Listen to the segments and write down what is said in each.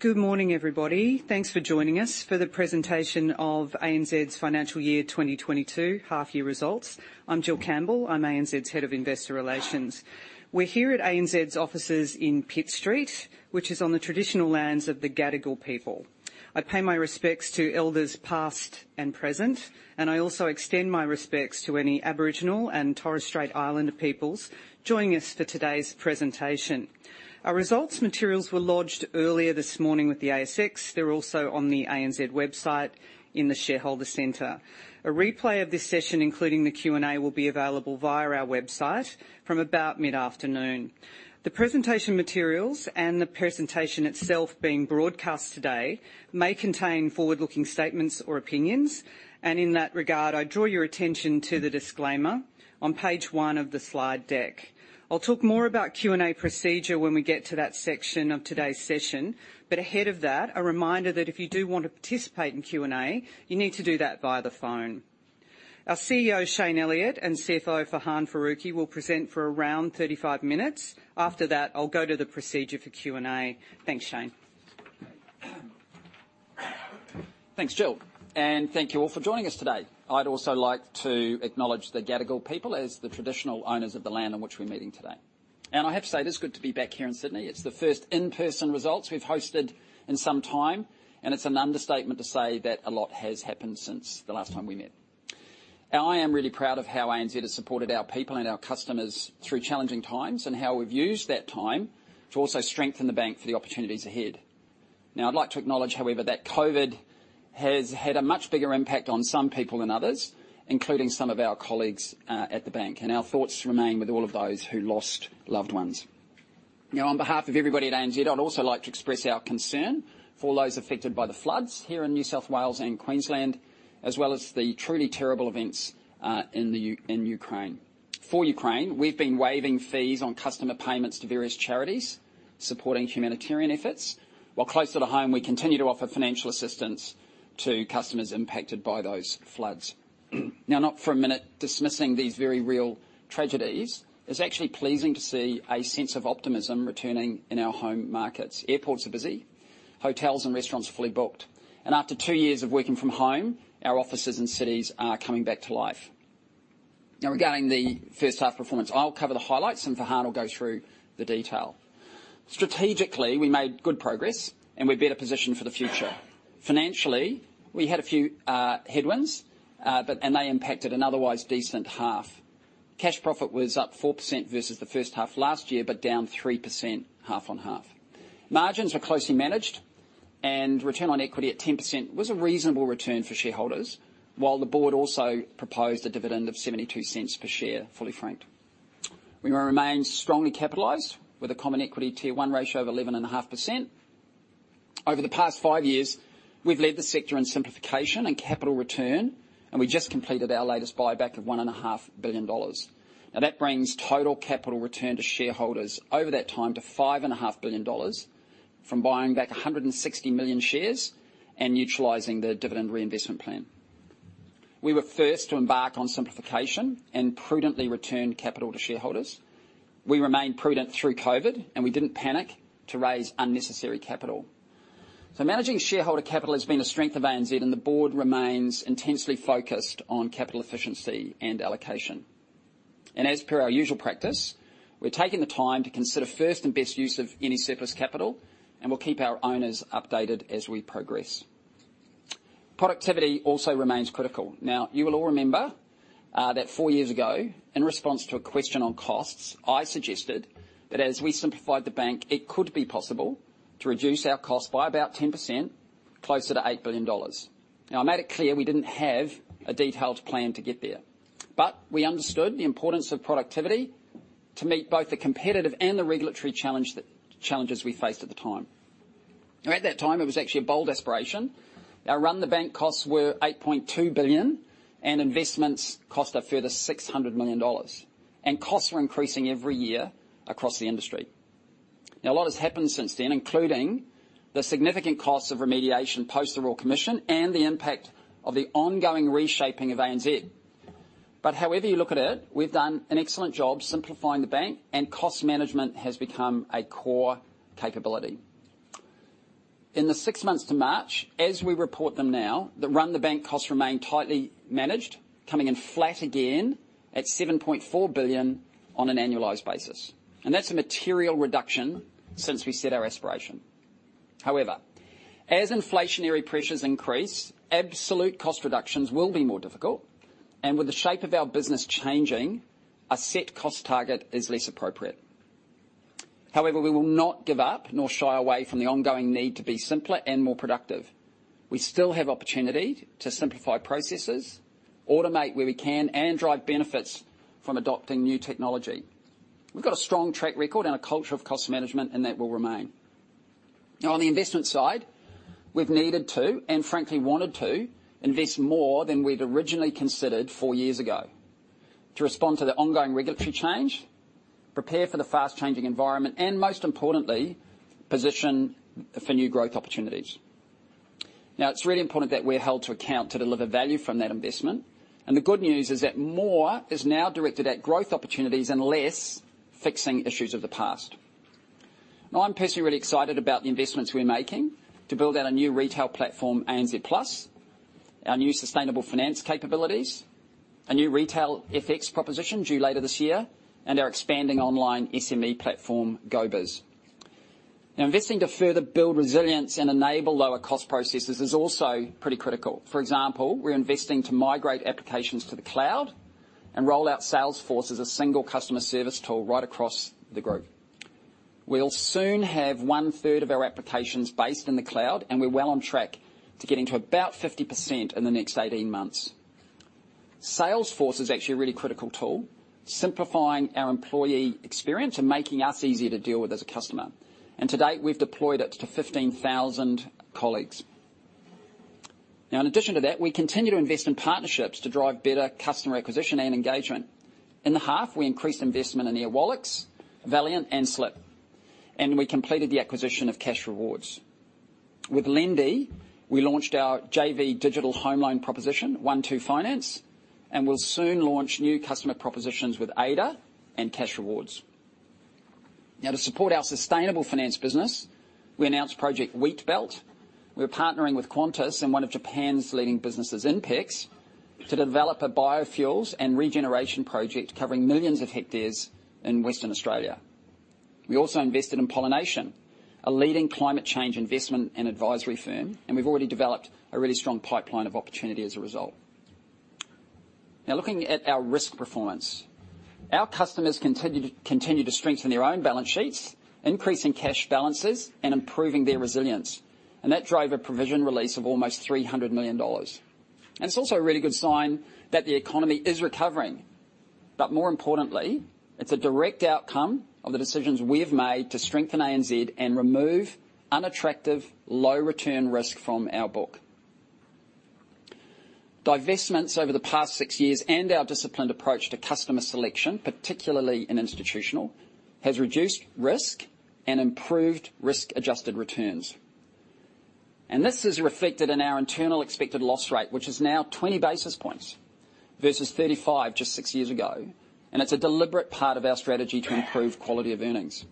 Good morning, everybody. Thanks for joining us for the presentation of ANZ's financial year 2022 half year results. I'm Jill Campbell. I'm ANZ's Head of Investor Relations. We're here at ANZ's offices in Pitt Street, which is on the traditional lands of the Gadigal people. I pay my respects to elders past and present, and I also extend my respects to any Aboriginal and Torres Strait Islander peoples joining us for today's presentation. Our results materials were lodged earlier this morning with the ASX. They're also on the ANZ website in the shareholder center. A replay of this session, including the Q&A, will be available via our website from about mid-afternoon. The presentation materials and the presentation itself being broadcast today may contain forward-looking statements or opinions. In that regard, I draw your attention to the disclaimer on page one of the slide deck. I'll talk more about Q&A procedure when we get to that section of today's session. Ahead of that, a reminder that if you do want to participate in Q&A, you need to do that via the phone. Our CEO, Shayne Elliott, and CFO, Farhan Faruqui, will present for around 35 minutes. After that, I'll go to the procedure for Q&A. Thanks, Shayne. Thanks, Jill. Thank you all for joining us today. I'd also like to acknowledge the Gadigal people as the traditional owners of the land on which we're meeting today. I have to say, it is good to be back here in Sydney. It's the first in-person results we've hosted in some time, and it's an understatement to say that a lot has happened since the last time we met. Now, I am really proud of how ANZ has supported our people and our customers through challenging times, and how we've used that time to also strengthen the bank for the opportunities ahead. Now, I'd like to acknowledge, however, that COVID has had a much bigger impact on some people than others, including some of our colleagues at the bank. Our thoughts remain with all of those who lost loved ones. Now, on behalf of everybody at ANZ, I'd also like to express our concern for those affected by the floods here in New South Wales and Queensland, as well as the truly terrible events in Ukraine. For Ukraine, we've been waiving fees on customer payments to various charities supporting humanitarian efforts. While closer to home, we continue to offer financial assistance to customers impacted by those floods. Now, not for a minute dismissing these very real tragedies, it's actually pleasing to see a sense of optimism returning in our home markets. Airports are busy. Hotels and restaurants are fully booked. After two years of working from home, our offices and cities are coming back to life. Now, regarding the first half performance, I'll cover the highlights, and Farhan will go through the detail. Strategically, we made good progress, and we're better positioned for the future. Financially, we had a few headwinds, and they impacted an otherwise decent half. Cash profit was up 4% versus the first half last year, but down 3% half on half. Margins were closely managed, and return on equity at 10% was a reasonable return for shareholders, while the board also proposed a dividend of 0.72 per share, fully franked. We will remain strongly capitalized with a Common Equity Tier 1 ratio of 11.5%. Over the past five years, we've led the sector in simplification and capital return, and we just completed our latest buyback of 1.5 billion dollars. Now, that brings total capital return to shareholders over that time to 5.5 billion dollars from buying back 160 million shares and neutralizing the dividend reinvestment plan. We were first to embark on simplification and prudently returned capital to shareholders. We remained prudent through COVID, and we didn't panic to raise unnecessary capital. Managing shareholder capital has been a strength of ANZ, and the board remains intensely focused on capital efficiency and allocation. As per our usual practice, we're taking the time to consider first and best use of any surplus capital, and we'll keep our owners updated as we progress. Productivity also remains critical. Now, you will all remember that four years ago, in response to a question on costs, I suggested that as we simplified the bank, it could be possible to reduce our cost by about 10%, closer to 8 billion dollars. Now, I made it clear we didn't have a detailed plan to get there, but we understood the importance of productivity to meet both the competitive and the regulatory challenges we faced at the time. At that time, it was actually a bold aspiration. Our run-the-bank costs were 8.2 billion, and investments cost a further 600 million dollars. Costs are increasing every year across the industry. Now, a lot has happened since then, including the significant cost of remediation post the Royal Commission and the impact of the ongoing reshaping of ANZ. However you look at it, we've done an excellent job simplifying the bank, and cost management has become a core capability. In the six months to March, as we report them now, the run-the-bank costs remain tightly managed, coming in flat again at 7.4 billion on an annualized basis. That's a material reduction since we set our aspiration. However, as inflationary pressures increase, absolute cost reductions will be more difficult, and with the shape of our business changing, a set cost target is less appropriate. However, we will not give up nor shy away from the ongoing need to be simpler and more productive. We still have opportunity to simplify processes, automate where we can, and drive benefits from adopting new technology. We've got a strong track record and a culture of cost management, and that will remain. Now, on the investment side, we've needed to, and frankly wanted to, invest more than we'd originally considered four years ago to respond to the ongoing regulatory change, prepare for the fast-changing environment, and most importantly, position for new growth opportunities. Now, it's really important that we're held to account to deliver value from that investment. The good news is that more is now directed at growth opportunities and less fixing issues of the past. Now, I'm personally really excited about the investments we're making to build out a new retail platform, ANZ Plus, our new sustainable finance capabilities, a new retail FX proposition due later this year, and our expanding online SME platform, GoBiz. Now, investing to further build resilience and enable lower cost processes is also pretty critical. For example, we're investing to migrate applications to the cloud and roll out Salesforce as a single customer service tool right across the group. We'll soon have one-third of our applications based in the cloud, and we're well on track to getting to about 50% in the next 18 months. Salesforce is actually a really critical tool, simplifying our employee experience and making us easier to deal with as a customer. To date, we've deployed it to 15,000 colleagues. Now, in addition to that, we continue to invest in partnerships to drive better customer acquisition and engagement. In the half, we increased investment in Airwallex, Valiant, and Slyp, and we completed the acquisition of Cashrewards. With Lendi, we launched our JV digital home loan proposition, OneTwo Finance, and we'll soon launch new customer propositions with Adatree and Cashrewards. Now, to support our sustainable finance business, we announced Project Wheatbelt. We're partnering with Qantas and one of Japan's leading businesses, INPEX, to develop a biofuels and regeneration project covering millions of hectares in Western Australia. We also invested in Pollination, a leading climate change investment and advisory firm, and we've already developed a really strong pipeline of opportunity as a result. Now looking at our risk performance. Our customers continue to strengthen their own balance sheets, increasing cash balances, and improving their resilience. That drove a provision release of almost 300 million dollars. It's also a really good sign that the economy is recovering. More importantly, it's a direct outcome of the decisions we have made to strengthen ANZ and remove unattractive, low return risk from our book. Divestments over the past six years and our disciplined approach to customer selection, particularly in institutional, has reduced risk and improved risk-adjusted returns. This is reflected in our internal expected loss rate, which is now 20 basis points versus 35 just six years ago. It's a deliberate part of our strategy to improve quality of earnings.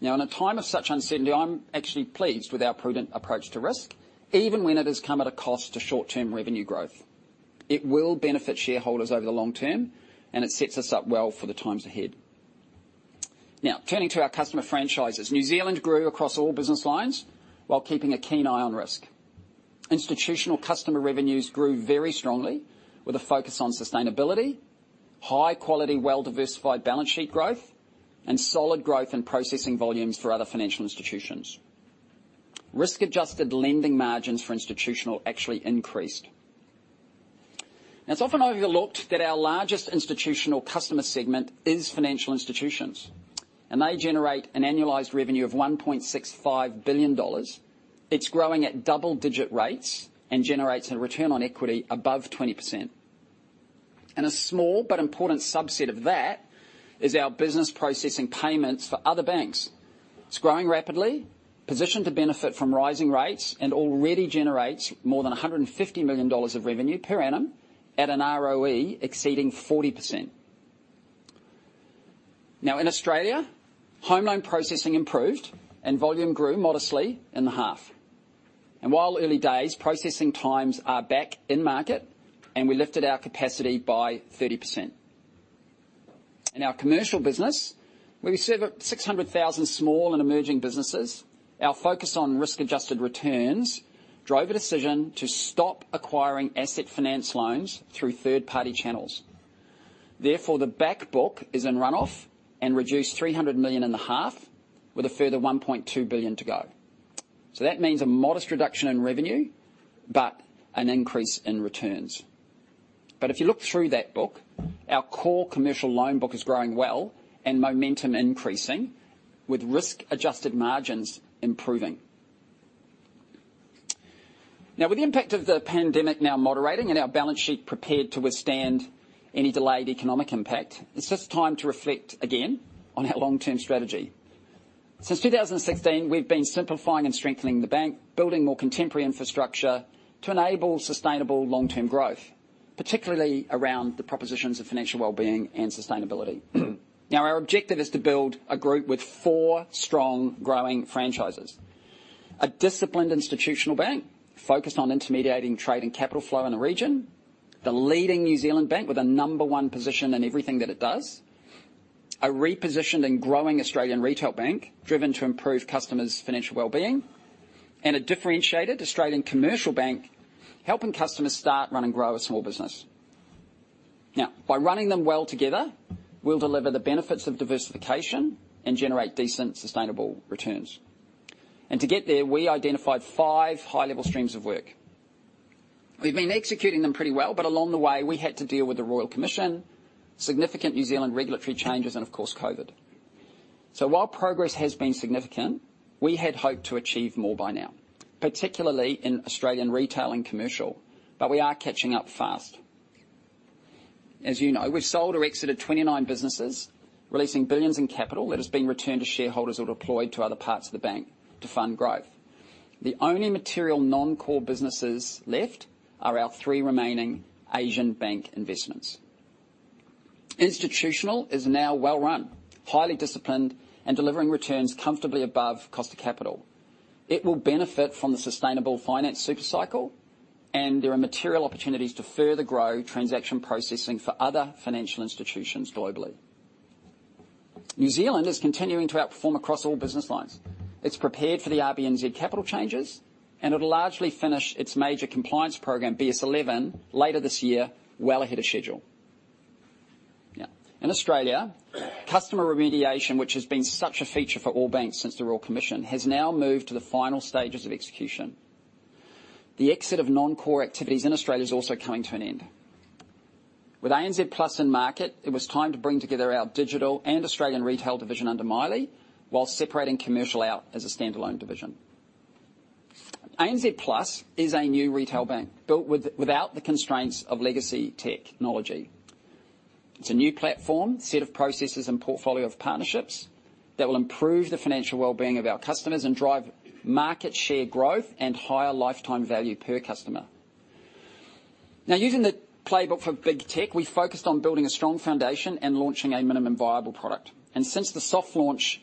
Now, in a time of such uncertainty, I'm actually pleased with our prudent approach to risk, even when it has come at a cost to short-term revenue growth. It will benefit shareholders over the long term, and it sets us up well for the times ahead. Now, turning to our customer franchises. New Zealand grew across all business lines while keeping a keen eye on risk. Institutional customer revenues grew very strongly with a focus on sustainability, high quality, well-diversified balance sheet growth, and solid growth in processing volumes for other financial institutions. Risk-adjusted lending margins for institutional actually increased. Now, it's often overlooked that our largest institutional customer segment is financial institutions, and they generate an annualized revenue of 1.65 billion dollars. It's growing at double-digit rates and generates a return on equity above 20%. A small but important subset of that is our business processing payments for other banks. It's growing rapidly, positioned to benefit from rising rates, and already generates more than 150 million dollars of revenue per annum at an ROE exceeding 40%. Now, in Australia, home loan processing improved and volume grew modestly in the half. While early days, processing times are back in market, and we lifted our capacity by 30%. In our commercial business, where we serve up to 600,000 small and emerging businesses, our focus on risk-adjusted returns drove a decision to stop acquiring asset finance loans through third-party channels. Therefore, the back book is in run-off and reduced 300 million in the half with a further 1.2 billion to go. That means a modest reduction in revenue, but an increase in returns. If you look through that book, our core commercial loan book is growing well and momentum increasing with risk-adjusted margins improving. Now, with the impact of the pandemic now moderating and our balance sheet prepared to withstand any delayed economic impact, it's just time to reflect again on our long-term strategy. Since 2016, we've been simplifying and strengthening the bank, building more contemporary infrastructure to enable sustainable long-term growth, particularly around the propositions of financial well-being and sustainability. Now, our objective is to build a group with four strong growing franchises, a disciplined institutional bank focused on intermediating trade and capital flow in the region, the leading New Zealand bank with a number one position in everything that it does, a repositioned and growing Australian retail bank driven to improve customers' financial well-being, and a differentiated Australian commercial bank helping customers start, run, and grow a small business. Now, by running them well together, we'll deliver the benefits of diversification and generate decent, sustainable returns. To get there, we identified five high-level streams of work. We've been executing them pretty well, but along the way, we had to deal with the Royal Commission, significant New Zealand regulatory changes and of course, COVID. While progress has been significant, we had hoped to achieve more by now, particularly in Australian retail and commercial, but we are catching up fast. As you know, we've sold or exited 29 businesses, releasing billions in capital that is being returned to shareholders or deployed to other parts of the bank to fund growth. The only material non-core businesses left are our three remaining Asian bank investments. Institutional is now well run, highly disciplined, and delivering returns comfortably above cost of capital. It will benefit from the sustainable finance super cycle, and there are material opportunities to further grow transaction processing for other financial institutions globally. New Zealand is continuing to outperform across all business lines. It's prepared for the RBNZ capital changes, and it'll largely finish its major compliance program, BS11, later this year, well ahead of schedule. Yeah. In Australia, customer remediation, which has been such a feature for all banks since the Royal Commission, has now moved to the final stages of execution. The exit of non-core activities in Australia is also coming to an end. With ANZ Plus in market, it was time to bring together our digital and Australian retail division under Maile, while separating commercial out as a standalone division. ANZ Plus is a new retail bank built without the constraints of legacy technology. It's a new platform, set of processes, and portfolio of partnerships that will improve the financial well-being of our customers and drive market share growth and higher lifetime value per customer. Now, using the playbook for big tech, we focused on building a strong foundation and launching a minimum viable product. Since the soft launch,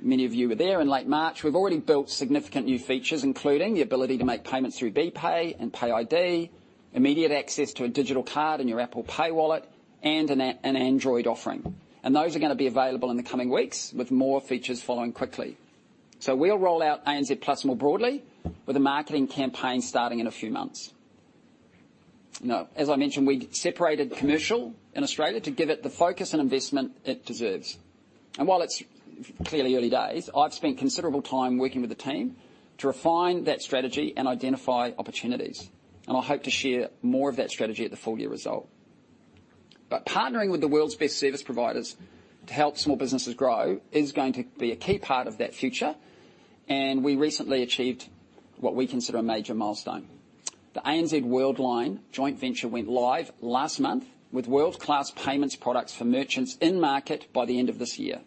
many of you were there in late March, we've already built significant new features, including the ability to make payments through BPAY and PayID, immediate access to a digital card in your Apple Pay wallet, and an Android offering. Those are gonna be available in the coming weeks, with more features following quickly. We'll roll out ANZ Plus more broadly with a marketing campaign starting in a few months. Now, as I mentioned, we separated commercial in Australia to give it the focus and investment it deserves. While it's clearly early days, I've spent considerable time working with the team to refine that strategy and identify opportunities, and I hope to share more of that strategy at the full year result. Partnering with the world's best service providers to help small businesses grow is going to be a key part of that future, and we recently achieved what we consider a major milestone. The ANZ Worldline joint venture went live last month with world-class payments products for merchants in market by the end of this year.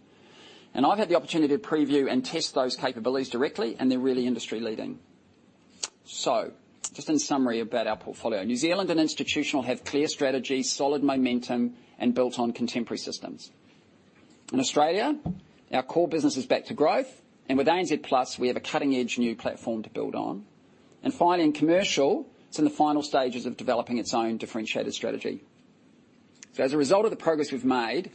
I've had the opportunity to preview and test those capabilities directly, and they're really industry-leading. Just in summary about our portfolio, New Zealand and Institutional have clear strategy, solid momentum, and built on contemporary systems. In Australia, our core business is back to growth, and with ANZ Plus, we have a cutting-edge new platform to build on. Finally, in Commercial, it's in the final stages of developing its own differentiated strategy. As a result of the progress we've made,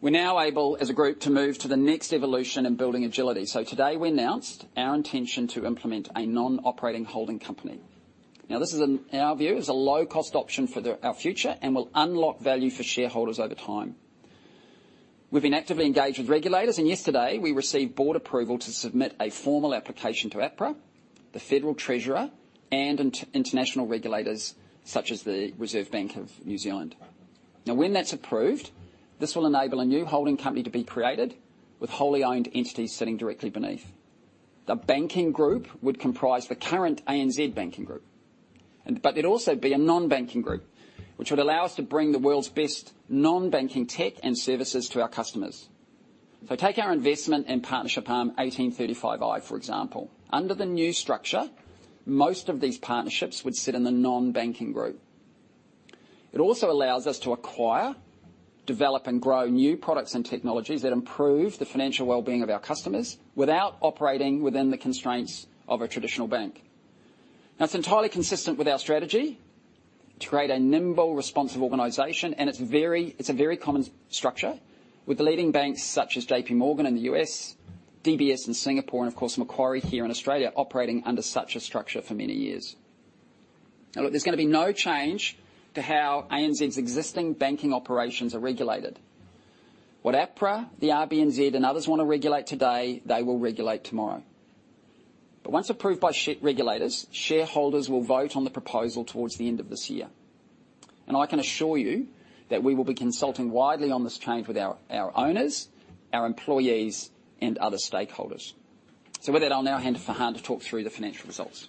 we're now able, as a group, to move to the next evolution in building agility. Today, we announced our intention to implement a non-operating holding company. Now this is, in our view, a low-cost option for our future and will unlock value for shareholders over time. We've been actively engaged with regulators, and yesterday we received board approval to submit a formal application to APRA, the federal treasurer, and international regulators such as the Reserve Bank of New Zealand. Now, when that's approved, this will enable a new holding company to be created with wholly owned entities sitting directly beneath. The banking group would comprise the current ANZ banking group, but there'd also be a non-banking group, which would allow us to bring the world's best non-banking tech and services to our customers. Take our investment in partnership arm 1835i, for example. Under the new structure, most of these partnerships would sit in the non-banking group. It also allows us to acquire, develop, and grow new products and technologies that improve the financial well-being of our customers without operating within the constraints of a traditional bank. Now, it's entirely consistent with our strategy to create a nimble, responsive organization, and it's a very common structure with the leading banks such as JPMorgan in the U.S., DBS in Singapore, and of course, Macquarie here in Australia, operating under such a structure for many years. Now, look, there's gonna be no change to how ANZ's existing banking operations are regulated. What APRA, the RBNZ, and others wanna regulate today, they will regulate tomorrow. Once approved by regulators, shareholders will vote on the proposal towards the end of this year. I can assure you that we will be consulting widely on this change with our owners, our employees, and other stakeholders. With that, I'll now hand it to Farhan to talk through the financial results.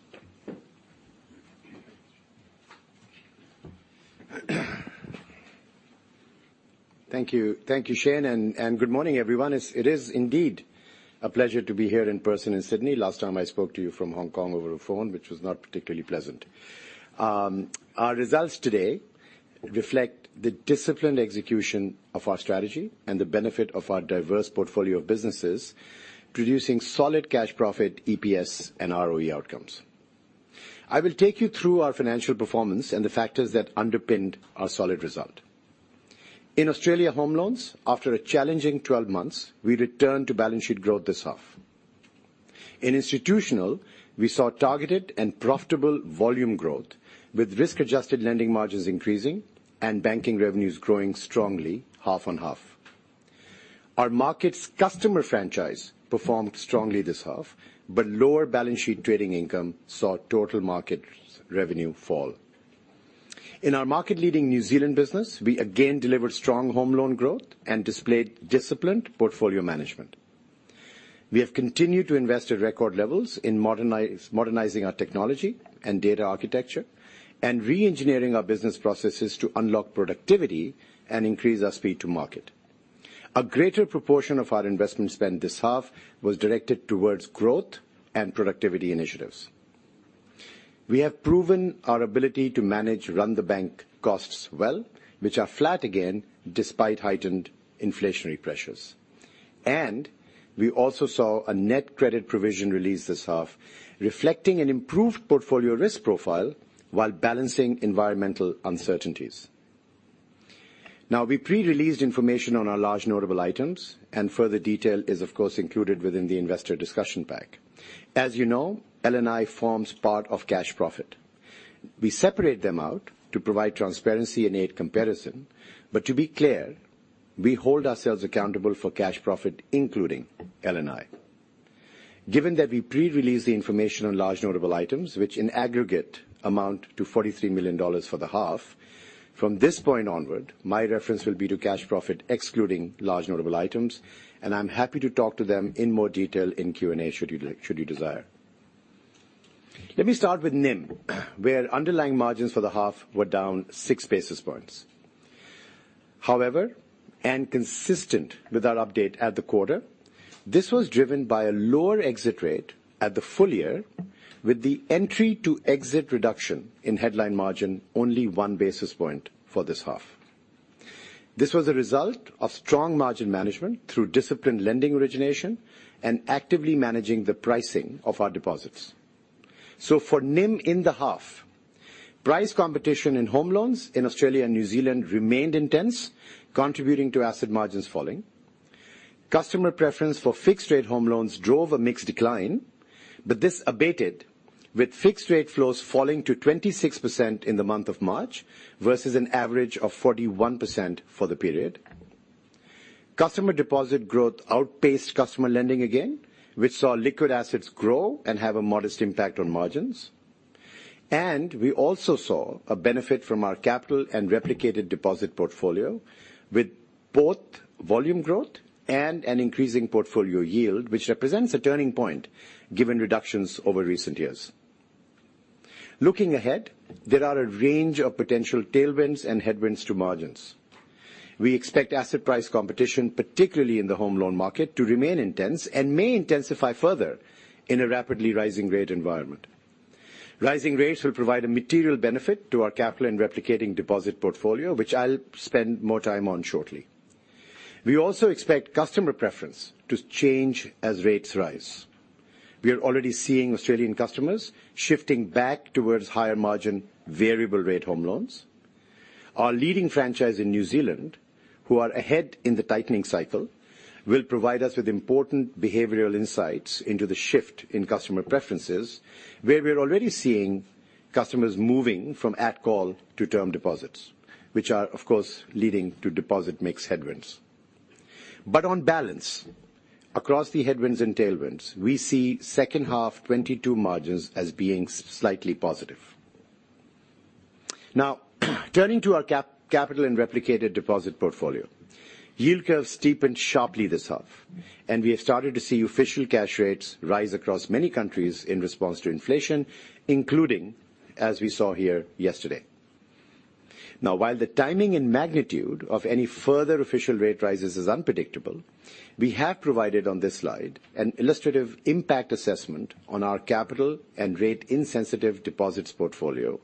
Thank you. Thank you, Shayne, and good morning, everyone. It is indeed a pleasure to be here in person in Sydney. Last time I spoke to you from Hong Kong over the phone, which was not particularly pleasant. Our results today reflect the disciplined execution of our strategy and the benefit of our diverse portfolio of businesses, producing solid cash profit, EPS, and ROE outcomes. I will take you through our financial performance and the factors that underpinned our solid result. In Australian home loans, after a challenging 12 months, we returned to balance sheet growth this half. In Institutional, we saw targeted and profitable volume growth, with risk-adjusted lending margins increasing and banking revenues growing strongly half on half. Our markets customer franchise performed strongly this half, but lower balance sheet trading income saw total markets revenue fall. In our market-leading New Zealand business, we again delivered strong home loan growth and displayed disciplined portfolio management. We have continued to invest at record levels in modernizing our technology and data architecture and re-engineering our business processes to unlock productivity and increase our speed to market. A greater proportion of our investment spend this half was directed towards growth and productivity initiatives. We have proven our ability to manage run-the-bank costs well, which are flat again, despite heightened inflationary pressures. We also saw a net credit provision release this half, reflecting an improved portfolio risk profile while balancing environmental uncertainties. Now, we pre-released information on our large notable items, and further detail is of course included within the investor discussion pack. As you know, LNI forms part of cash profit. We separate them out to provide transparency and aid comparison. To be clear, we hold ourselves accountable for cash profit, including LNI. Given that we pre-released the information on large notable items, which in aggregate amount to 43 million dollars for the half, from this point onward, my reference will be to cash profit excluding large notable items, and I'm happy to talk to them in more detail in Q&A, should you desire. Let me start with NIM, where underlying margins for the half were down 6 basis points. However, and consistent with our update at the quarter, this was driven by a lower exit rate at the full year, with the entry to exit reduction in headline margin only 1 basis point for this half. This was a result of strong margin management through disciplined lending origination and actively managing the pricing of our deposits. For NIM in the half, price competition in home loans in Australia and New Zealand remained intense, contributing to asset margins falling. Customer preference for fixed-rate home loans drove a mixed decline, but this abated with fixed-rate flows falling to 26% in the month of March versus an average of 41% for the period. Customer deposit growth outpaced customer lending again, which saw liquid assets grow and have a modest impact on margins. We also saw a benefit from our capital and replicated deposit portfolio with both volume growth and an increasing portfolio yield, which represents a turning point given reductions over recent years. Looking ahead, there are a range of potential tailwinds and headwinds to margins. We expect asset price competition, particularly in the home loan market, to remain intense and may intensify further in a rapidly rising rate environment. Rising rates will provide a material benefit to our capital and replicated deposit portfolio, which I'll spend more time on shortly. We also expect customer preference to change as rates rise. We are already seeing Australian customers shifting back towards higher margin variable rate home loans. Our leading franchise in New Zealand, who are ahead in the tightening cycle, will provide us with important behavioral insights into the shift in customer preferences, where we're already seeing customers moving from at call to term deposits, which are of course leading to deposit mix headwinds. On balance, across the headwinds and tailwinds, we see second-half 2022 margins as being slightly positive. Now, turning to our capital and replicated deposit portfolio. Yield curve steepened sharply this half, and we have started to see official cash rates rise across many countries in response to inflation, including as we saw here yesterday. Now, while the timing and magnitude of any further official rate rises is unpredictable, we have provided on this slide an illustrative impact assessment on our capital and rate insensitive deposits portfolio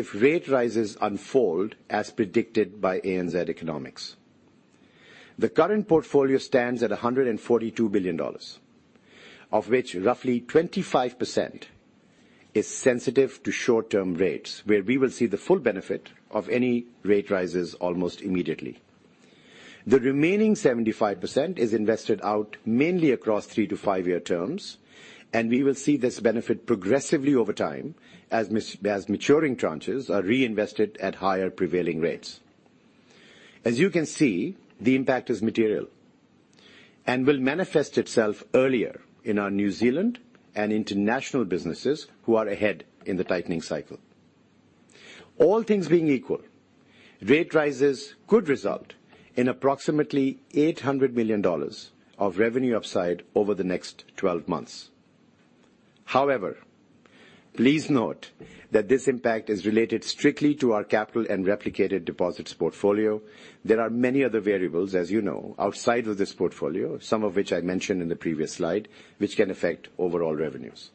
if rate rises unfold as predicted by ANZ Economics. The current portfolio stands at 142 billion dollars, of which roughly 25% is sensitive to short-term rates, where we will see the full benefit of any rate rises almost immediately. The remaining 75% is invested out mainly across three- to five-year terms, and we will see this benefit progressively over time as maturing tranches are reinvested at higher prevailing rates. As you can see, the impact is material and will manifest itself earlier in our New Zealand and international businesses who are ahead in the tightening cycle. All things being equal, rate rises could result in approximately 800 million dollars of revenue upside over the next 12 months. However, please note that this impact is related strictly to our capital and replicated deposits portfolio. There are many other variables, as you know, outside of this portfolio, some of which I mentioned in the previous slide, which can affect overall revenues.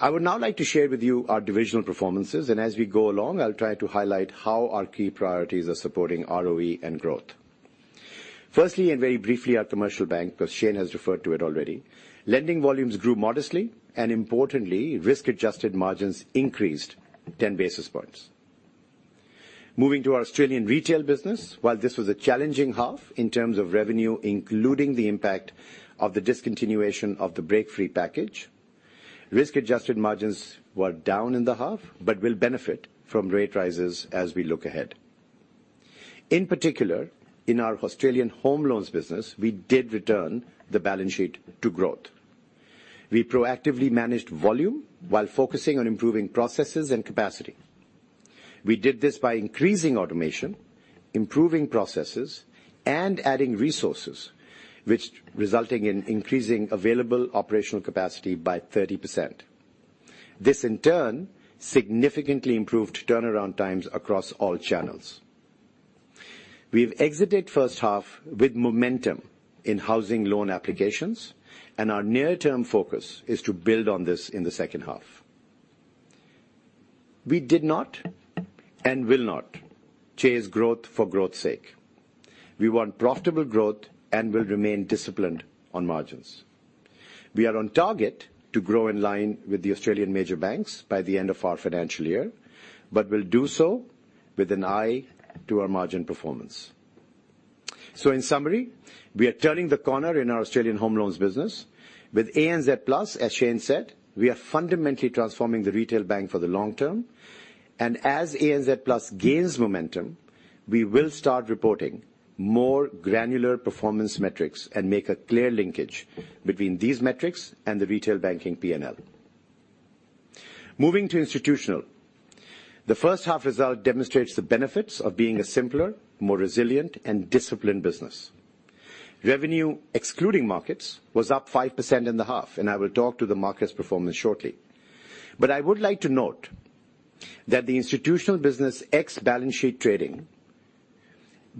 I would now like to share with you our divisional performances, and as we go along, I'll try to highlight how our key priorities are supporting ROE and growth. Firstly, very briefly, our commercial bank, 'cause Shayne has referred to it already. Lending volumes grew modestly and importantly, risk-adjusted margins increased 10 basis points. Moving to our Australian retail business. While this was a challenging half in terms of revenue, including the impact of the discontinuation of the Breakfree package, risk-adjusted margins were down in the half but will benefit from rate rises as we look ahead. In particular, in our Australian home loans business, we did return the balance sheet to growth. We proactively managed volume while focusing on improving processes and capacity. We did this by increasing automation, improving processes, and adding resources, which resulted in increasing available operational capacity by 30%. This, in turn, significantly improved turnaround times across all channels. We've exited first half with momentum in housing loan applications, and our near-term focus is to build on this in the second half. We did not and will not chase growth for growth's sake. We want profitable growth and will remain disciplined on margins. We are on target to grow in line with the Australian major banks by the end of our financial year, but will do so with an eye to our margin performance. In summary, we are turning the corner in our Australian home loans business. With ANZ Plus, as Shayne said, we are fundamentally transforming the retail bank for the long term. As ANZ Plus gains momentum, we will start reporting more granular performance metrics and make a clear linkage between these metrics and the retail banking P&L. Moving to Institutional, the first half result demonstrates the benefits of being a simpler, more resilient, and disciplined business. Revenue, excluding markets, was up 5% in the half, and I will talk to the markets performance shortly. I would like to note that the institutional business ex balance sheet trading,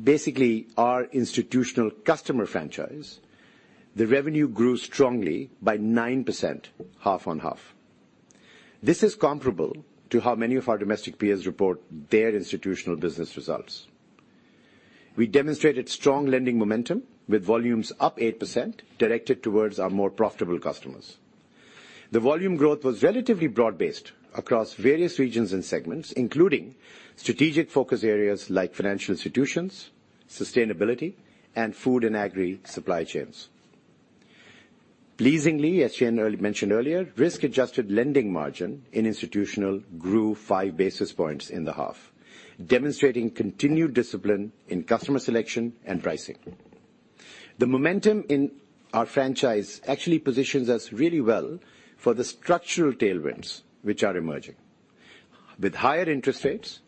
basically our institutional customer franchise, the revenue grew strongly by 9% half-on-half. This is comparable to how many of our domestic peers report their institutional business results. We demonstrated strong lending momentum with volumes up 8% directed towards our more profitable customers. The volume growth was relatively broad-based across various regions and segments, including strategic focus areas like financial institutions, sustainability, and food and agri supply chains. Pleasingly, as Shayne mentioned earlier, risk-adjusted lending margin in institutional grew five basis points in the half, demonstrating continued discipline in customer selection and pricing. The momentum in our franchise actually positions us really well for the structural tailwinds which are emerging. With higher interest rates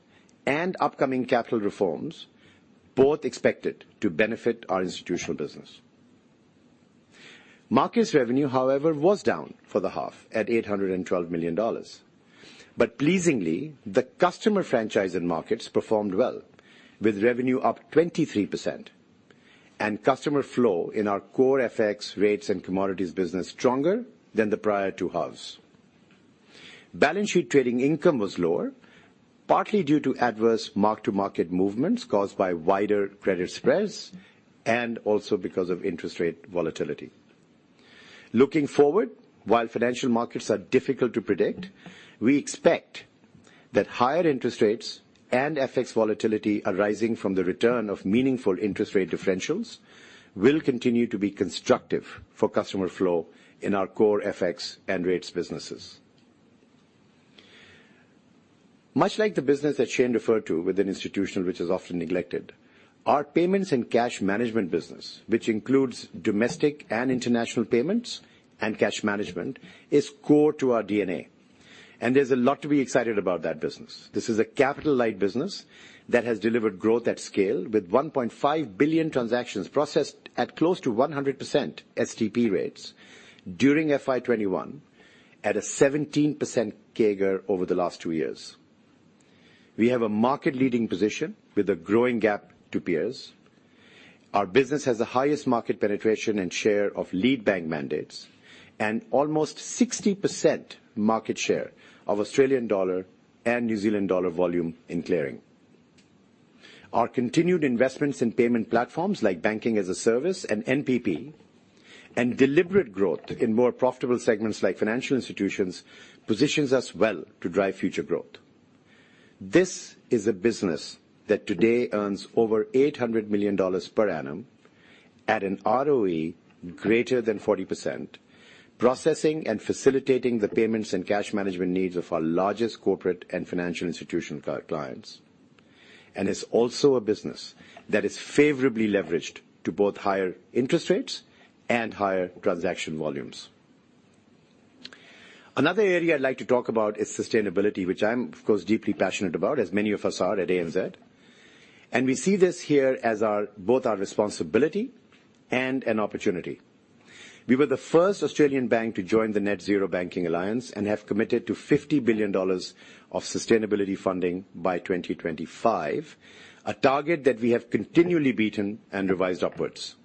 and upcoming capital reforms both expected to benefit our institutional business. Markets revenue, however, was down for the half at 812 million dollars. Pleasingly, the customer franchise in markets performed well, with revenue up 23% and customer flow in our core FX rates and commodities business stronger than the prior two halves. Balance sheet trading income was lower, partly due to adverse mark-to-market movements caused by wider credit spreads, and also because of interest rate volatility. Looking forward, while financial markets are difficult to predict, we expect that higher interest rates and FX volatility arising from the return of meaningful interest rate differentials will continue to be constructive for customer flow in our core FX and rates businesses. Much like the business that Shayne referred to within Institutional, which is often neglected, our payments and cash management business, which includes domestic and international payments and cash management, is core to our DNA, and there's a lot to be excited about that business. This is a capital-light business that has delivered growth at scale with 1.5 billion transactions processed at close to 100% STP rates during FY 2021 at a 17% CAGR over the last two years. We have a market-leading position with a growing gap to peers. Our business has the highest market penetration and share of lead bank mandates, and almost 60% market share of Australian dollar and New Zealand dollar volume in clearing. Our continued investments in payment platforms like Banking-as-a-Service and NPP and deliberate growth in more profitable segments like financial institutions positions us well to drive future growth. This is a business that today earns over 800 million dollars per annum at an ROE greater than 40%, processing and facilitating the payments and cash management needs of our largest corporate and financial institutional clients. It's also a business that is favorably leveraged to both higher interest rates and higher transaction volumes. Another area I'd like to talk about is sustainability, which I'm of course deeply passionate about, as many of us are at ANZ. We see this here as our, both our responsibility and an opportunity. We were the first Australian bank to join the Net-Zero Banking Alliance and have committed to 50 billion dollars of sustainability funding by 2025, a target that we have continually beaten and revised upwards.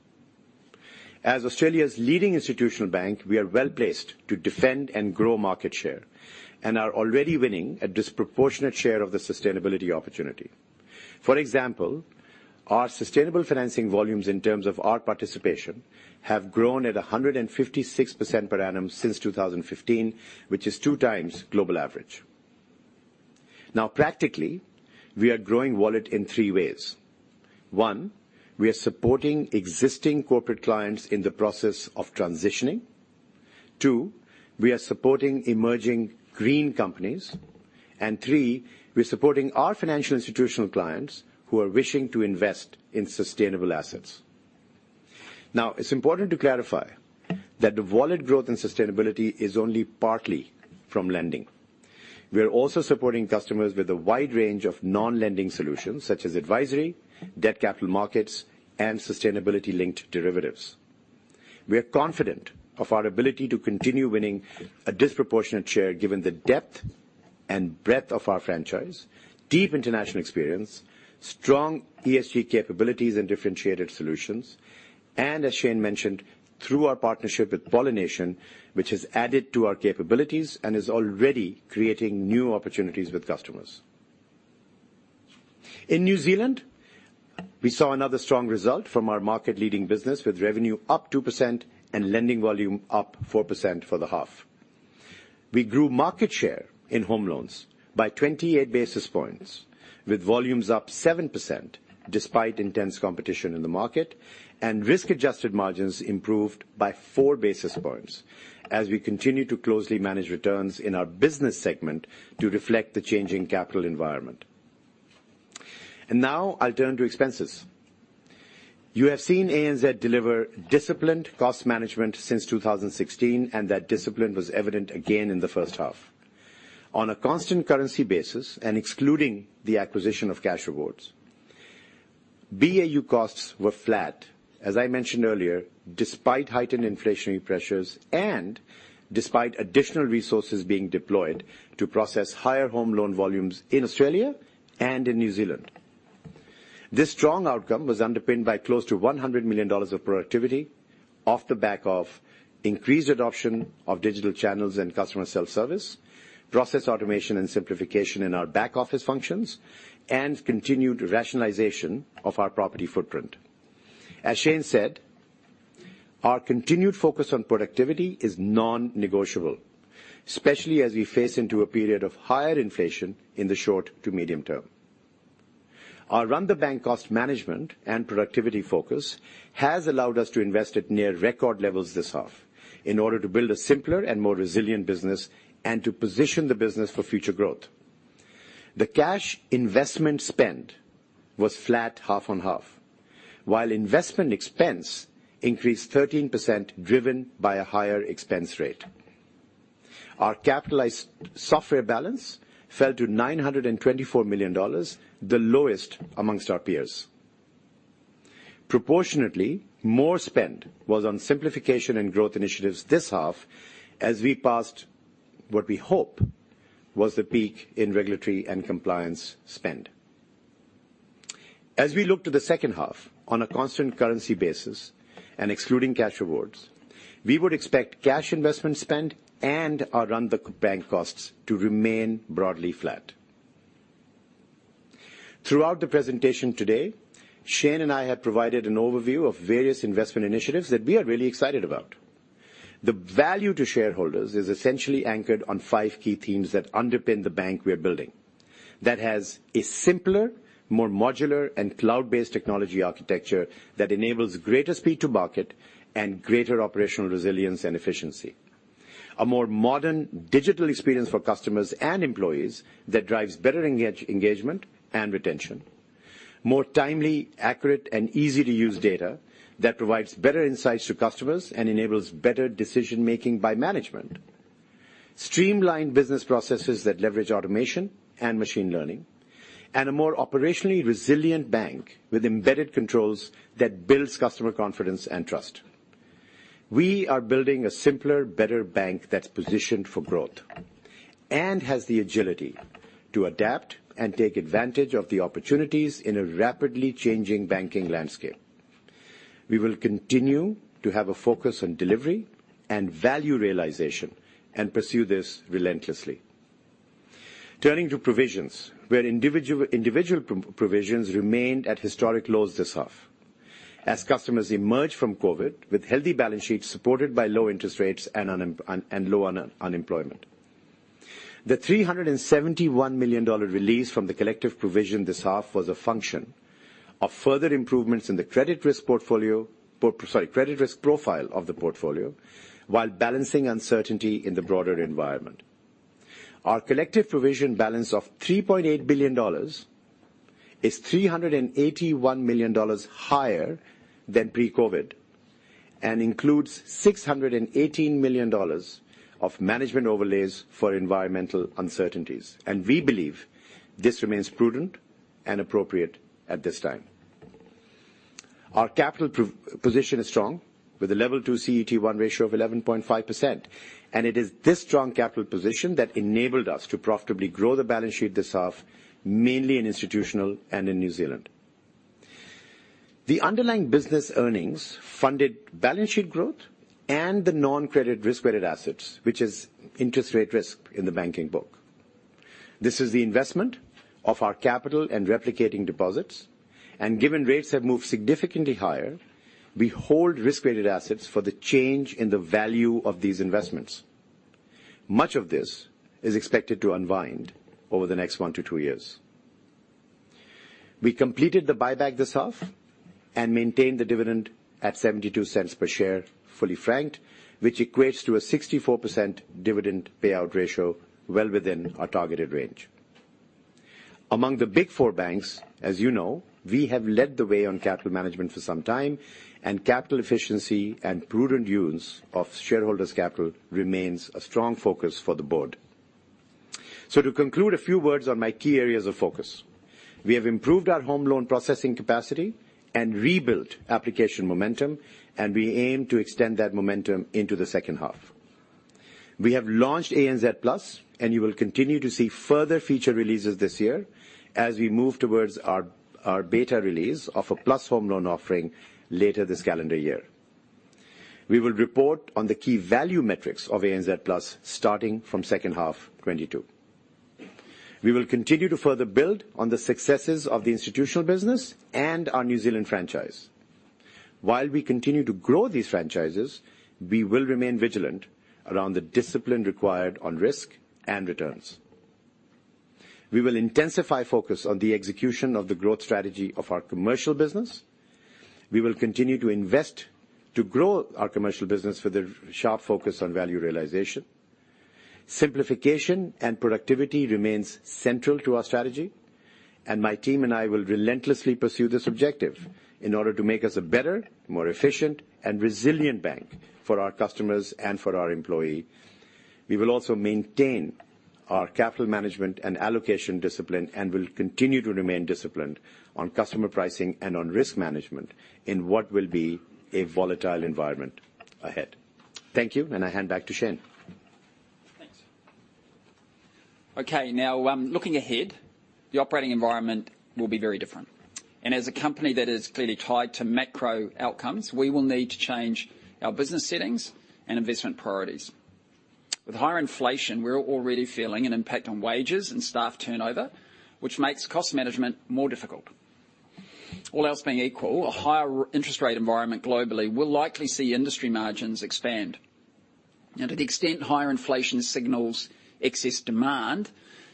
As Australia's leading institutional bank, we are well-placed to defend and grow market share and are already winning a disproportionate share of the sustainability opportunity. For example, our sustainable financing volumes in terms of our participation have grown at 156% per annum since 2015, which is two times global average. Now, practically, we are growing wallet in three ways. One, we are supporting existing corporate clients in the process of transitioning. Two, we are supporting emerging green companies. And three, we're supporting our financial institutional clients who are wishing to invest in sustainable assets. Now, it's important to clarify that the wallet growth and sustainability is only partly from lending. We are also supporting customers with a wide range of non-lending solutions such as advisory, debt capital markets, and sustainability-linked derivatives. We are confident of our ability to continue winning a disproportionate share given the depth and breadth of our franchise, deep international experience, strong ESG capabilities and differentiated solutions, and as Shayne mentioned, through our partnership with Pollination, which has added to our capabilities and is already creating new opportunities with customers. In New Zealand, we saw another strong result from our market-leading business, with revenue up 2% and lending volume up 4% for the half. We grew market share in home loans by 28 basis points, with volumes up 7% despite intense competition in the market, and risk-adjusted margins improved by 4 basis points as we continue to closely manage returns in our business segment to reflect the changing capital environment. Now I'll turn to expenses. You have seen ANZ deliver disciplined cost management since 2016, and that discipline was evident again in the first half. On a constant currency basis and excluding the acquisition of Cashrewards, BAU costs were flat, as I mentioned earlier, despite heightened inflationary pressures and despite additional resources being deployed to process higher home loan volumes in Australia and in New Zealand. This strong outcome was underpinned by close to 100 million dollars of productivity off the back of increased adoption of digital channels and customer self-service, process automation and simplification in our back-office functions, and continued rationalization of our property footprint. As Shayne said, our continued focus on productivity is non-negotiable, especially as we face into a period of higher inflation in the short to medium term. Our run-the-bank cost management and productivity focus has allowed us to invest at near record levels this half in order to build a simpler and more resilient business and to position the business for future growth. The cash investment spend was flat half on half, while investment expense increased 13%, driven by a higher expense rate. Our capitalized software balance fell to 924 million dollars, the lowest amongst our peers. Proportionately, more spend was on simplification and growth initiatives this half as we passed what we hope was the peak in regulatory and compliance spend. As we look to the second half on a constant currency basis and excluding Cashrewards, we would expect cash investment spend and our run the bank costs to remain broadly flat. Throughout the presentation today, Shayne and I have provided an overview of various investment initiatives that we are really excited about. The value to shareholders is essentially anchored on five key themes that underpin the bank we are building. That has a simpler, more modular, and cloud-based technology architecture that enables greater speed to market and greater operational resilience and efficiency. A more modern digital experience for customers and employees that drives better engagement and retention. More timely, accurate, and easy-to-use data that provides better insights to customers and enables better decision-making by management. Streamlined business processes that leverage automation and machine learning, and a more operationally resilient bank with embedded controls that builds customer confidence and trust. We are building a simpler, better bank that's positioned for growth and has the agility to adapt and take advantage of the opportunities in a rapidly changing banking landscape. We will continue to have a focus on delivery and value realization and pursue this relentlessly. Turning to provisions, individual provisions remained at historic lows this half. As customers emerge from COVID with healthy balance sheets supported by low interest rates and low unemployment. The 371 million dollar release from the collective provision this half was a function of further improvements in the credit risk profile of the portfolio, while balancing uncertainty in the broader environment. Our collective provision balance of 3.8 billion dollars is 381 million dollars higher than pre-COVID and includes 618 million dollars of management overlays for environmental uncertainties. We believe this remains prudent and appropriate at this time. Our capital position is strong, with a Level 2 CET1 ratio of 11.5%, and it is this strong capital position that enabled us to profitably grow the balance sheet this half, mainly in institutional and in New Zealand. The underlying business earnings funded balance sheet growth and the non-credit risk-weighted assets, which is interest rate risk in the banking book. This is the investment of our capital and replicating deposits, and given rates have moved significantly higher, we hold risk-weighted assets for the change in the value of these investments. Much of this is expected to unwind over the next 1-2 years. We completed the buyback this half and maintained the dividend at 0.72 per share, fully franked, which equates to a 64% dividend payout ratio, well within our targeted range. Among the big four banks, as you know, we have led the way on capital management for some time, and capital efficiency and prudent use of shareholders' capital remains a strong focus for the board. To conclude, a few words on my key areas of focus. We have improved our home loan processing capacity and rebuilt application momentum, and we aim to extend that momentum into the second half. We have launched ANZ Plus, and you will continue to see further feature releases this year as we move towards our beta release of ANZ Plus home loan offering later this calendar year. We will report on the key value metrics of ANZ Plus starting from second half 2022. We will continue to further build on the successes of the institutional business and our New Zealand franchise. While we continue to grow these franchises, we will remain vigilant around the discipline required on risk and returns. We will intensify focus on the execution of the growth strategy of our commercial business. We will continue to invest to grow our commercial business with a sharp focus on value realization. Simplification and productivity remains central to our strategy, and my team and I will relentlessly pursue this objective in order to make us a better, more efficient, and resilient bank for our customers and for our employee. We will also maintain our capital management and allocation discipline, and will continue to remain disciplined on customer pricing and on risk management in what will be a volatile environment ahead. Thank you, and I hand back to Shayne. Thanks. Okay, now looking ahead, the operating environment will be very different. As a company that is clearly tied to macro outcomes, we will need to change our business settings and investment priorities. With higher inflation, we're already feeling an impact on wages and staff turnover, which makes cost management more difficult. All else being equal, a higher real interest rate environment globally will likely see industry margins expand. Now, to the extent higher inflation signals excess demand,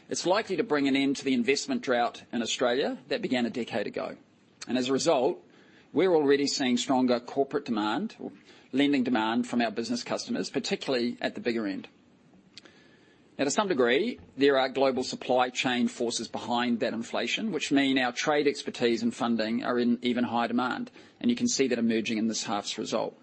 it's likely to bring an end to the investment drought in Australia that began a decade ago. As a result, we're already seeing stronger corporate demand or lending demand from our business customers, particularly at the bigger end. Now, to some degree, there are global supply chain forces behind that inflation, which mean our trade expertise and funding are in even higher demand, and you can see that emerging in this half's result.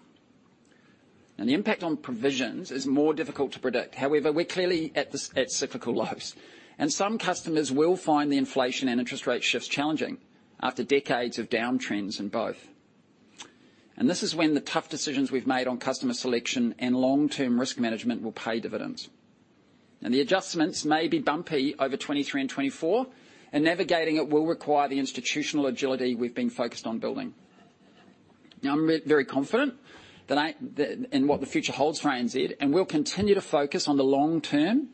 Now, the impact on provisions is more difficult to predict. However, we're clearly at cyclical lows, and some customers will find the inflation and interest rate shifts challenging after decades of downtrends in both. This is when the tough decisions we've made on customer selection and long-term risk management will pay dividends. The adjustments may be bumpy over 2023 and 2024, and navigating it will require the institutional agility we've been focused on building. Now, I'm very confident that in what the future holds for ANZ, and we'll continue to focus on the long term,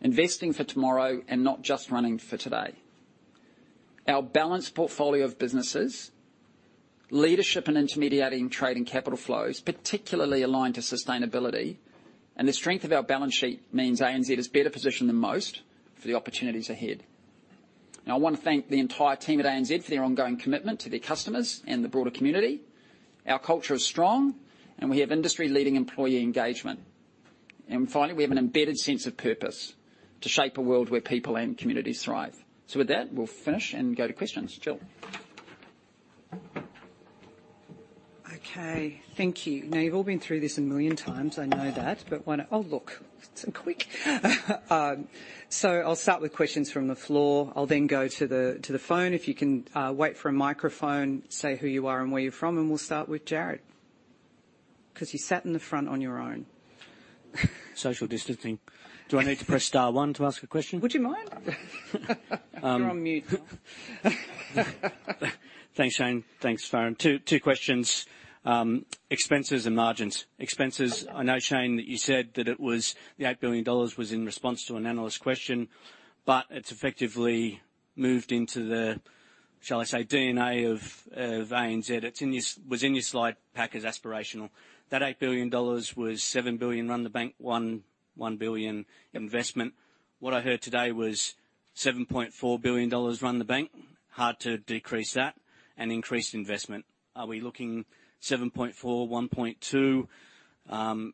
investing for tomorrow and not just running for today. Our balanced portfolio of businesses, leadership and intermediating trade and capital flows particularly aligned to sustainability, and the strength of our balance sheet means ANZ is better positioned than most for the opportunities ahead. Now, I want to thank the entire team at ANZ for their ongoing commitment to their customers and the broader community. Our culture is strong, and we have industry-leading employee engagement. And finally, we have an embedded sense of purpose to shape a world where people and communities thrive. With that, we'll finish and go to questions. Jill. Okay, thank you. Now, you've all been through this a million times, I know that. I'll start with questions from the floor. I'll then go to the phone. If you can wait for a microphone, say who you are and where you're from, and we'll start with Jared, because you sat in the front on your own. Social distancing. Do I need to press star one to ask a question? Would you mind? You're on mute. Thanks, Shayne. Thanks, Farhan. Two questions. Expenses and margins. Expenses, I know, Shayne, that you said that it was, the 8 billion dollars was in response to an analyst question, but it's effectively moved into the, shall I say, DNA of ANZ. It was in your slide pack as aspirational. That 8 billion dollars was 7 billion run the bank, 1 billion investment. What I heard today was 7.4 billion dollars run the bank, hard to decrease that, and increased investment. Are we looking 7.4, 1.2? What, you know- Yeah. I'm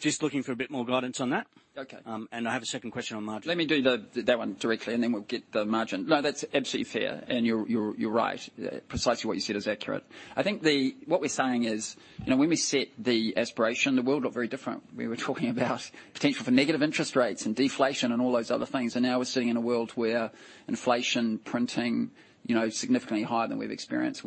just looking for a bit more guidance on that. Okay. I have a second question on margins. Let me do that one directly, and then we'll get the margin. No, that's absolutely fair, and you're right. Precisely what you said is accurate. I think what we're saying is, you know, when we set the aspiration, the world looked very different. We were talking about potential for negative interest rates and deflation and all those other things, and now we're sitting in a world where inflation printing, you know, significantly higher than we've experienced,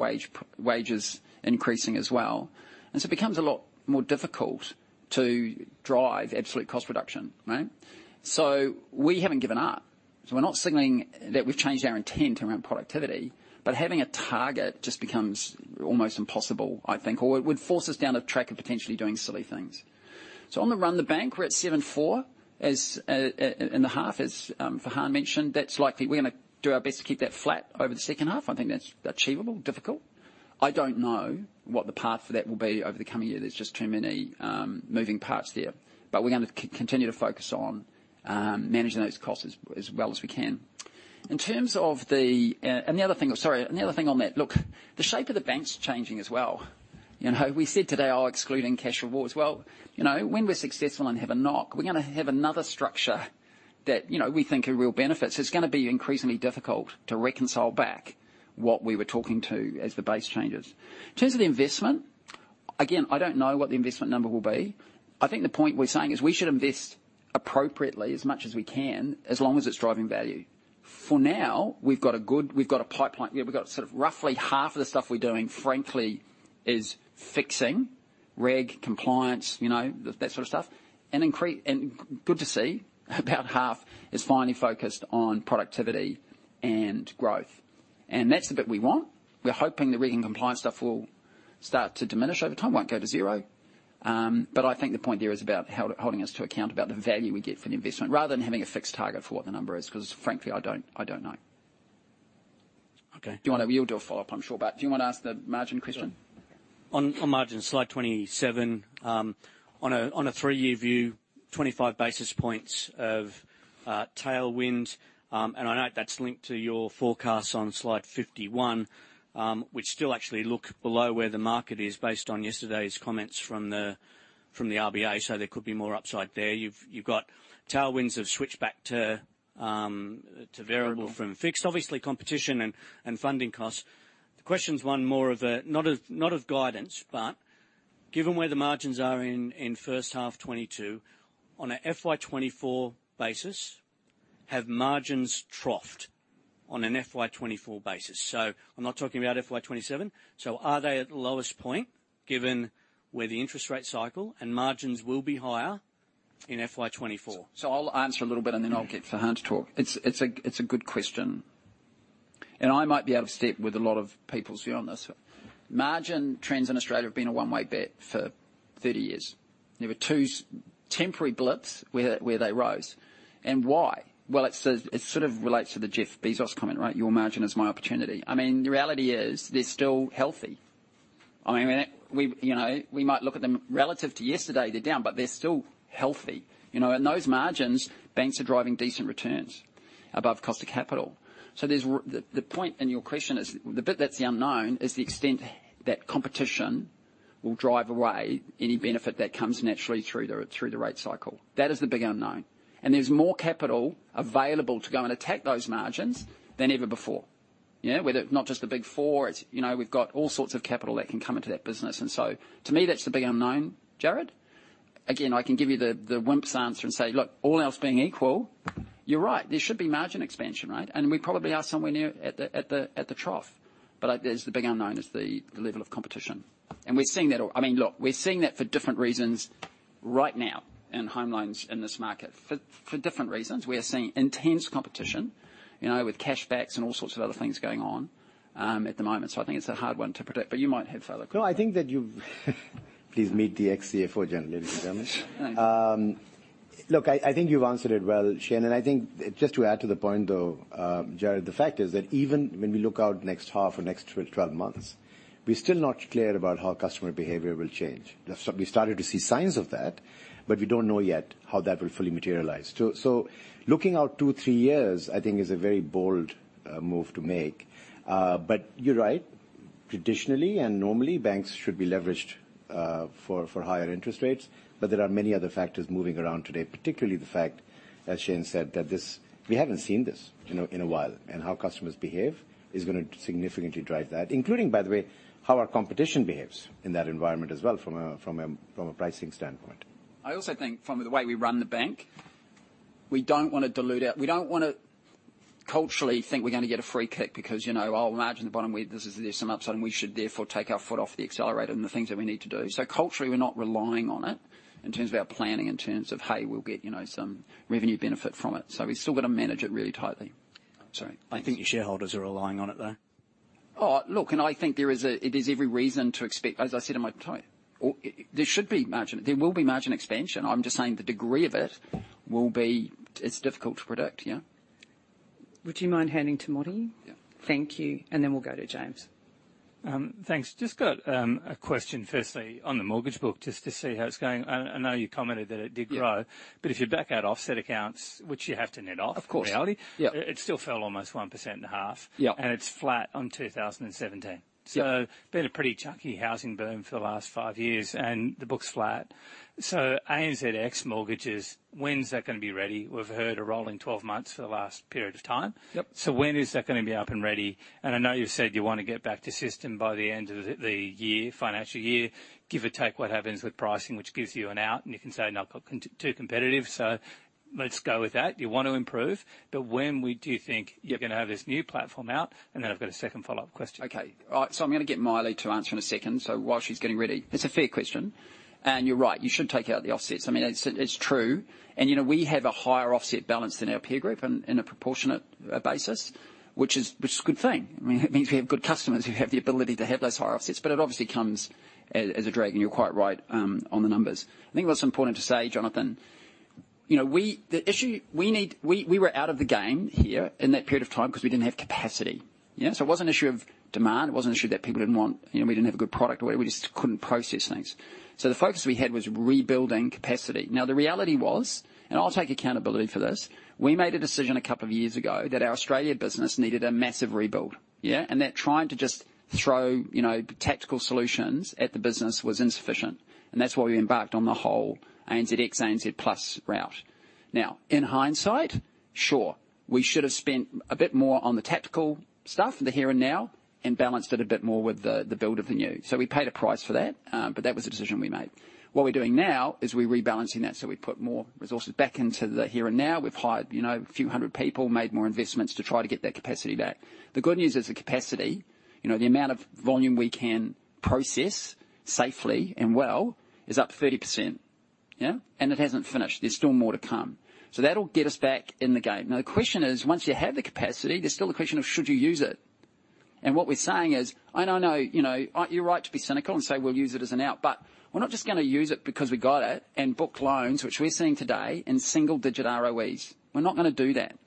wages increasing as well. It becomes a lot more difficult to drive absolute cost reduction, right? We haven't given up, so we're not signaling that we've changed our intent around productivity, but having a target just becomes almost impossible, I think, or it would force us down a track of potentially doing silly things. On the run-rate for the bank, we're at 74, as in the half, as Farhan mentioned. That's likely. We're gonna do our best to keep that flat over the second half. I think that's achievable, difficult. I don't know what the path for that will be over the coming year. There's just too many moving parts there. But we're gonna continue to focus on managing those costs as well as we can. In terms of the other thing on that. Look, the shape of the bank's changing as well. You know, we said today all excluding Cashrewards. Well, you know, when we're successful and have a NOC, we're gonna have another structure that, you know, we think are real benefits. It's gonna be increasingly difficult to reconcile back what we were talking to as the base changes. In terms of the investment, again, I don't know what the investment number will be. I think the point we're saying is we should invest appropriately as much as we can as long as it's driving value. For now, we've got a pipeline. Yeah, we've got sort of roughly half of the stuff we're doing, frankly, is fixing reg, compliance, you know, that sort of stuff. Good to see about half is finally focused on productivity and growth. That's the bit we want. We're hoping the reg and compliance stuff will start to diminish over time. Won't go to zero. I think the point there is about holding us to account about the value we get for the investment rather than having a fixed target for what the number is, 'cause frankly, I don't know. Okay. You'll do a follow-up, I'm sure, but do you wanna ask the margin question? Sure. On margin, slide 27, on a three-year view, 25 basis points of tailwind. I know that's linked to your forecast on slide 51, which still actually look below where the market is based on yesterday's comments from the RBA, so there could be more upside there. You've got tailwinds of switch back to variable. Variable. From fixed. Obviously, competition and funding costs. The question is more of a not of guidance, but given where the margins are in first half 2022, on a FY 2024 basis, have margins troughed on a FY 2024 basis? I'm not talking about FY 2027. Are they at the lowest point given where the interest rate cycle and margins will be higher in FY 2024? I'll answer a little bit, and then I'll get Farhan to talk. It's a good question. I might be out of step with a lot of people's view on this. Margin trends in Australia have been a one-way bet for 30 years. There were two temporary blips where they rose. Why? Well, it sort of relates to the Jeff Bezos comment, right? Your margin is my opportunity. I mean, the reality is they're still healthy. I mean, you know, we might look at them relative to yesterday, they're down, but they're still healthy. You know, at those margins, banks are driving decent returns above cost of capital. The point in your question is, the bit that's the unknown is the extent that competition will drive away any benefit that comes naturally through the rate cycle. That is the big unknown. There's more capital available to go and attack those margins than ever before. You know, whether not just the Big Four. It's, you know, we've got all sorts of capital that can come into that business. To me, that's the big unknown, Jared. Again, I can give you the wimp's answer and say, "Look, all else being equal, you're right. There should be margin expansion, right?" We probably are somewhere near the trough. Like, the big unknown is the level of competition. We're seeing that. I mean, look, we're seeing that for different reasons right now in home loans in this market. For different reasons, we are seeing intense competition, you know, with cash backs and all sorts of other things going on, at the moment. I think it's a hard one to predict, but you might have further- No, I think that you've. Please meet the ex-CFO, gentlemen, ladies and gentlemen. Look, I think you've answered it well, Shayne. I think just to add to the point though, Jared, the fact is that even when we look out next half or next 12 months, we're still not clear about how customer behavior will change. That's what we started to see signs of that, but we don't know yet how that will fully materialize. Looking out two, three years, I think is a very bold move to make. You're right. Traditionally and normally, banks should be leveraged for higher interest rates, but there are many other factors moving around today, particularly the fact that Shayne said that this we haven't seen this in a while. How customers behave is gonna significantly drive that, including, by the way, how our competition behaves in that environment as well from a pricing standpoint. I also think from the way we run the bank, we don't wanna culturally think we're gonna get a free kick because, you know, oh, margin at the bottom. There's some upside, and we should therefore take our foot off the accelerator and the things that we need to do. Culturally, we're not relying on it in terms of our planning, in terms of, hey, we'll get, you know, some revenue benefit from it. We've still got to manage it really tightly. Sorry. I think your shareholders are relying on it, though. Oh, look, I think it is every reason to expect, as I said in my talk, there should be margin, there will be margin expansion. I'm just saying the degree of it will be. It's difficult to predict, you know. Would you mind handing to Richard Wiles? Yeah. Thank you. We'll go to James. Thanks. Just got a question firstly on the mortgage book, just to see how it's going. I know you commented that it did grow. Yeah. If you back out offset accounts, which you have to net off. Of course. in reality. Yeah. It still fell almost 1.5%. Yeah. It's flat on 2017. Yeah. Been a pretty chunky housing boom for the last 5 years, and the book's flat. ANZx mortgages, when's that gonna be ready? We've heard a rolling 12 months for the last period of time. Yep. When is that gonna be up and ready? I know you said you wanna get back to system by the end of the year, financial year. Give or take what happens with pricing, which gives you an out, and you can say, "No, I've got competition too competitive," let's go with that. You want to improve. When we do think you're gonna have this new platform out, and then I've got a second follow-up question. Okay. All right. I'm gonna get Maile to answer in a second. While she's getting ready, it's a fair question. You're right, you should take out the offsets. I mean, it's true. You know, we have a higher offset balance than our peer group in a proportionate basis, which is a good thing. I mean, it means we have good customers who have the ability to have those higher offsets, but it obviously comes as a drag, and you're quite right on the numbers. I think what's important to say, Jonathan, you know, we were out of the game here in that period of time because we didn't have capacity. Yeah. It wasn't an issue of demand, it wasn't an issue that people didn't want, you know, we didn't have a good product or whatever, we just couldn't process things. The focus we had was rebuilding capacity. Now, the reality was, and I'll take accountability for this, we made a decision a couple of years ago that our Australia business needed a massive rebuild. Yeah. That trying to just throw, you know, tactical solutions at the business was insufficient, and that's why we embarked on the whole ANZx, ANZ Plus route. Now, in hindsight, sure, we should have spent a bit more on the tactical stuff, the here and now, and balanced it a bit more with the build of the new. We paid a price for that, but that was the decision we made. What we're doing now is we're rebalancing that, so we put more resources back into the here and now. We've hired, you know, a few hundred people, made more investments to try to get that capacity back. The good news is the capacity, you know, the amount of volume we can process safely and well is up 30%. It hasn't finished. There's still more to come. That'll get us back in the game. Now, the question is, once you have the capacity, there's still the question of should you use it? What we're saying is, and I know, you know, you're right to be cynical and say, "We'll use it as an out," but we're not just gonna use it because we got it and book loans, which we're seeing today in single digit ROEs. We're not gonna do that.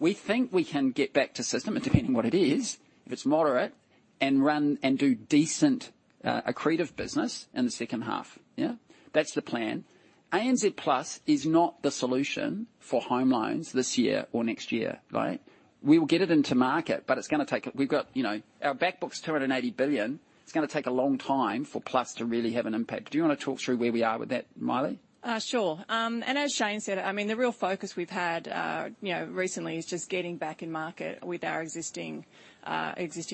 We think we can get back to system, and depending on what it is, if it's moderate, and run and do decent, accretive business in the second half. Yeah. That's the plan. ANZ Plus is not the solution for home loans this year or next year, right? We will get it into market, but it's gonna take. We've got, you know. Our back book's 280 billion. It's gonna take a long time for Plus to really have an impact. Do you wanna talk through where we are with that, Maile? Sure. As Shayne said, I mean, the real focus we've had, you know, recently is just getting back in market with our existing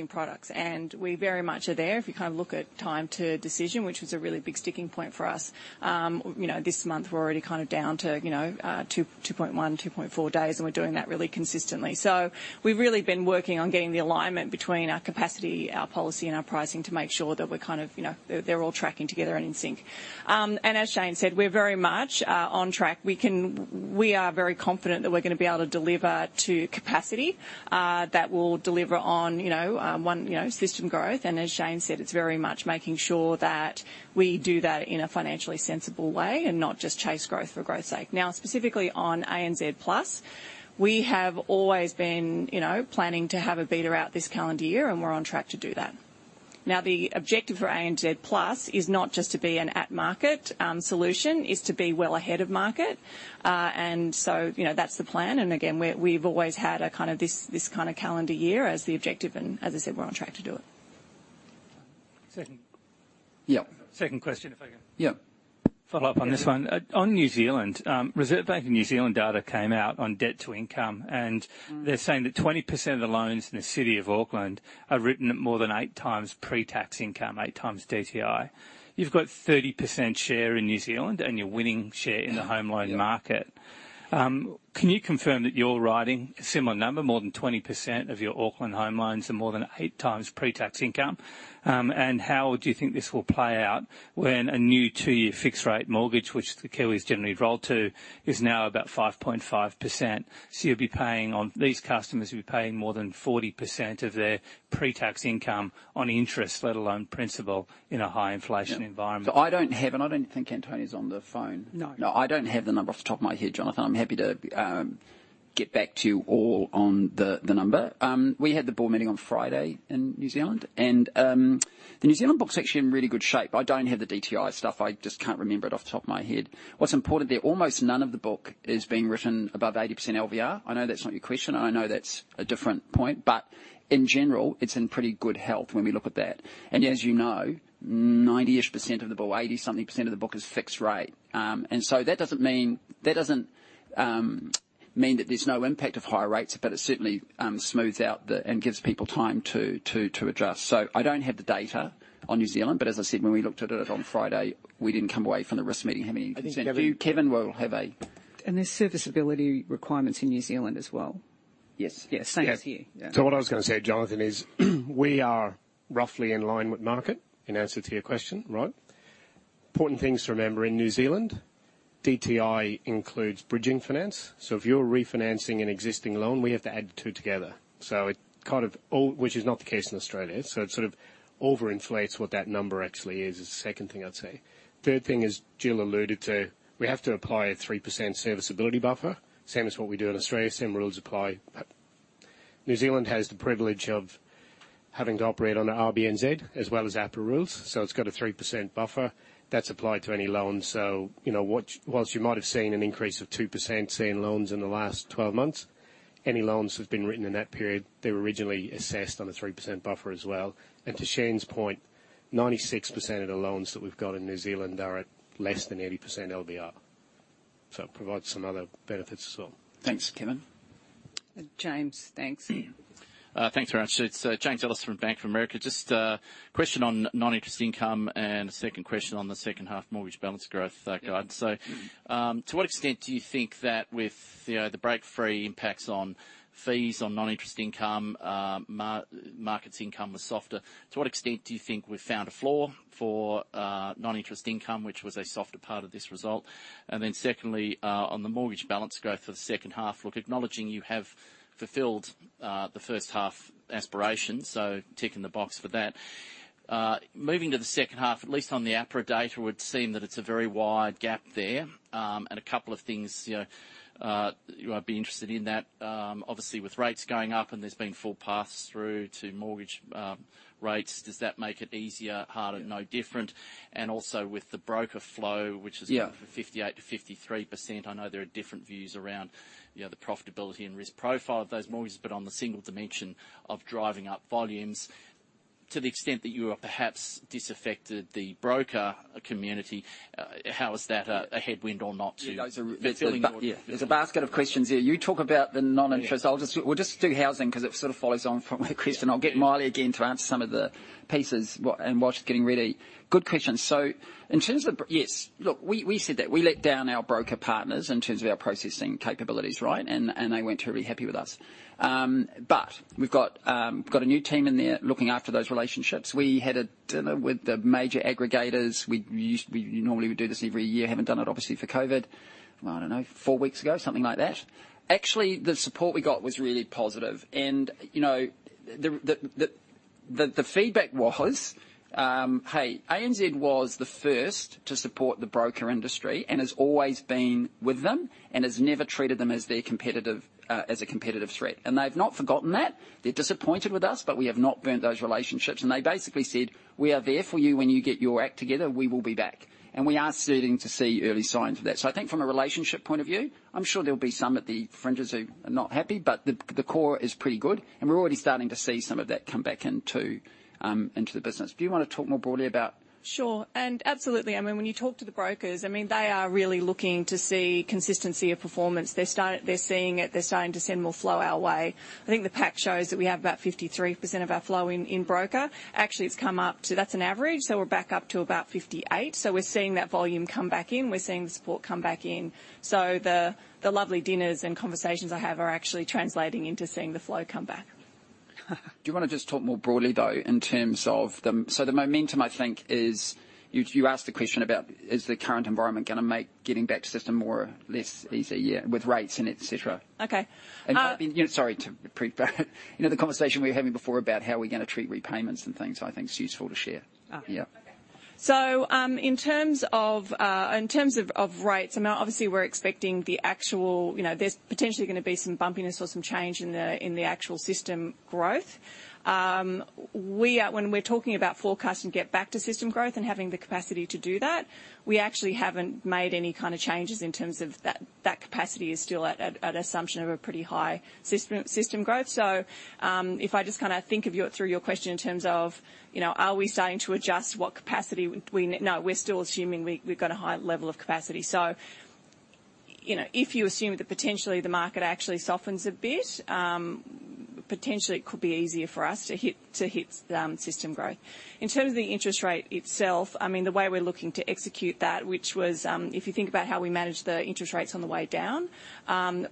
products. We very much are there. If you kind of look at time to decision, which was a really big sticking point for us, you know, this month we're already kind of down to 2.1-2.4 days, and we're doing that really consistently. We've really been working on getting the alignment between our capacity, our policy, and our pricing to make sure that we're kind of, you know, they're all tracking together and in sync. As Shane said, we're very much on track. We can. We are very confident that we're gonna be able to deliver to capacity, that will deliver on, you know, system growth. As Shayne said, it's very much making sure that we do that in a financially sensible way and not just chase growth for growth's sake. Now, specifically on ANZ Plus, we have always been, you know, planning to have a beta out this calendar year, and we're on track to do that. Now, the objective for ANZ Plus is not just to be an at market solution, is to be well ahead of market. You know, that's the plan. Again, we've always had a kind of this kind of calendar year as the objective, and as I said, we're on track to do it. Second. Yeah. Second question if I can. Yeah. Follow up on this one. On New Zealand, Reserve Bank of New Zealand data came out on debt to income, and they're saying that 20% of the loans in the City of Auckland are written at more than 8 times pre-tax income, 8x DTI. You've got 30% share in New Zealand, and you're winning share in the home loan market. Yeah. Can you confirm that you're writing a similar number, more than 20% of your Auckland home loans are more than eight times pre-tax income? And how do you think this will play out when a new two-year fixed rate mortgage, which the Kiwis generally roll to, is now about 5.5%? These customers will be paying more than 40% of their pre-tax income on interest, let alone principal, in a high inflation environment. Yeah. I don't have, and I don't think Antonia is on the phone. No. No, I don't have the number off the top of my head, Jonathan. I'm happy to get back to you all on the number. We had the board meeting on Friday in New Zealand, and the New Zealand book's actually in really good shape. I don't have the DTI stuff. I just can't remember it off the top of my head. What's important there, almost none of the book is being written above 80% LVR. I know that's not your question, and I know that's a different point, but in general, it's in pretty good health when we look at that. As you know, 90-ish% of the book, 80-something% of the book is fixed rate. And so that doesn't mean that doesn't mean that there's no impact of higher rates, but it certainly smooths out the. gives people time to adjust. I don't have the data on New Zealand, but as I said, when we looked at it on Friday, we didn't come away from the risk meeting having any concern. Kevin will have a- There's serviceability requirements in New Zealand as well. Yes. Yeah, same as here. Yeah. What I was gonna say, Jonathan, is we are roughly in line with market, in answer to your question, right? Important things to remember in New Zealand, DTI includes bridging finance, so if you're refinancing an existing loan, we have to add the two together. It kind of all, which is not the case in Australia, so it sort of overinflates what that number actually is the second thing I'd say. Third thing, as Jill alluded to, we have to apply a 3% serviceability buffer, same as what we do in Australia, same rules apply. New Zealand has the privilege of having to operate on the RBNZ as well as APRA rules, so it's got a 3% buffer that's applied to any loan. While you might have seen an increase of 2% say in loans in the last 12 months, any loans that have been written in that period, they were originally assessed on a 3% buffer as well. To Shayne's point, 96% of the loans that we've got in New Zealand are at less than 80% LVR. It provides some other benefits as well. Thanks, Kevin. James, thanks. Thanks very much. It's James Ellis from Bank of America. Just a question on non-interest income and a second question on the second half mortgage balance growth guide. To what extent do you think that with, you know, the Breakfree impacts on fees, on non-interest income, market's income was softer, to what extent do you think we've found a floor for, non-interest income, which was a softer part of this result? And then secondly, on the mortgage balance growth for the second half. Look, acknowledging you have fulfilled, the first half aspirations, so tick in the box for that. Moving to the second half, at least on the APRA data, it would seem that it's a very wide gap there. And a couple of things, you know, you know, I'd be interested in that. Obviously, with rates going up and there's been full pass-through to mortgage rates, does that make it easier, harder, no different? Also with the broker flow, which has gone- Yeah. 58%-53%, I know there are different views around, you know, the profitability and risk profile of those mortgages. On the single dimension of driving up volumes To the extent that you are perhaps disaffected the broker community, how is that a headwind or not to- Yeah, there's a- The, the- There's a basket of questions there. You talk about the non-interest. Yeah. We'll just do housing 'cause it sort of follows on from the question. Yeah. I'll get Maile again to answer some of the pieces and whilst getting ready. Good question. So in terms of. Yes. Look, we said that we let down our broker partners in terms of our processing capabilities, right? They weren't really happy with us. But we've got a new team in there looking after those relationships. We had a dinner with the major aggregators. We normally would do this every year. Haven't done it, obviously, for COVID. I don't know, four weeks ago, something like that. Actually, the support we got was really positive. You know, the feedback was, "Hey, ANZ was the first to support the broker industry and has always been with them and has never treated them as their competitive, as a competitive threat." They've not forgotten that. They're disappointed with us, but we have not burnt those relationships. They basically said, "We are there for you. When you get your act together, we will be back." We are starting to see early signs of that. I think from a relationship point of view, I'm sure there'll be some at the fringes who are not happy, but the core is pretty good, and we're already starting to see some of that come back into the business. Do you wanna talk more broadly about? Sure. Absolutely, I mean, when you talk to the brokers, I mean, they are really looking to see consistency of performance. They're seeing it. They're starting to send more flow our way. I think the pack shows that we have about 53% of our flow in broker. Actually, it's come up to. That's an average. We're back up to about 58%. We're seeing that volume come back in. We're seeing the support come back in. The lovely dinners and conversations I have are actually translating into seeing the flow come back. Do you wanna just talk more broadly, though, in terms of the momentum, I think, is you asked the question about is the current environment gonna make getting back to system more, less easy, yeah, with rates and et cetera. Okay. You know, the conversation we were having before about how we're gonna treat repayments and things, I think it's useful to share. Okay. Yeah. In terms of rates, I mean, obviously we're expecting the actual. You know, there's potentially gonna be some bumpiness or some change in the actual system growth. When we're talking about forecast and get back to system growth and having the capacity to do that, we actually haven't made any kind of changes in terms of that. That capacity is still at assumption of a pretty high system growth. If I just kinda think through your question in terms of, you know, are we starting to adjust what capacity we need? No, we're still assuming we've got a high level of capacity. You know, if you assume that potentially the market actually softens a bit, potentially it could be easier for us to hit system growth. In terms of the interest rate itself, I mean, the way we're looking to execute that, which was if you think about how we manage the interest rates on the way down,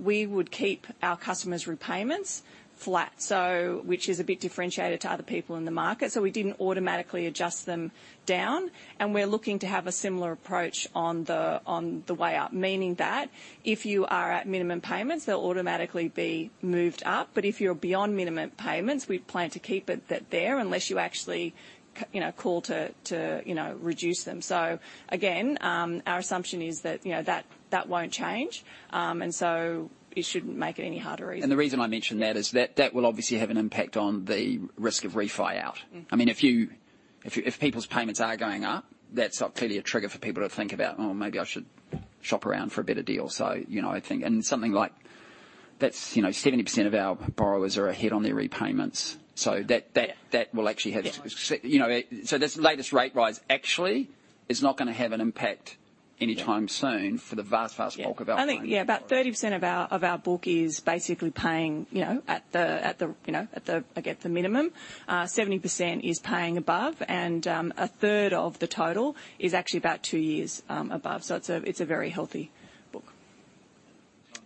we would keep our customers' repayments flat, so which is a bit differentiated to other people in the market. We didn't automatically adjust them down, and we're looking to have a similar approach on the way up, meaning that if you are at minimum payments, they'll automatically be moved up. But if you're beyond minimum payments, we plan to keep it at there unless you actually call to reduce them. Again, our assumption is that, you know, that won't change. It shouldn't make it any harder either. The reason I mention that is that that will obviously have an impact on the risk of refi out. Mm-hmm. I mean, if people's payments are going up, that's clearly a trigger for people to think about, "Oh, maybe I should shop around for a better deal." You know, I think something like that's, you know, 70% of our borrowers are ahead on their repayments. That. Yeah. That will actually have Yeah. You know, this latest rate rise actually is not gonna have an impact anytime soon. Yeah. for the vast bulk of our clients. I think about 30% of our book is basically paying, you know, at the minimum. Seventy percent is paying above and a third of the total is actually about two years above. It's a very healthy book.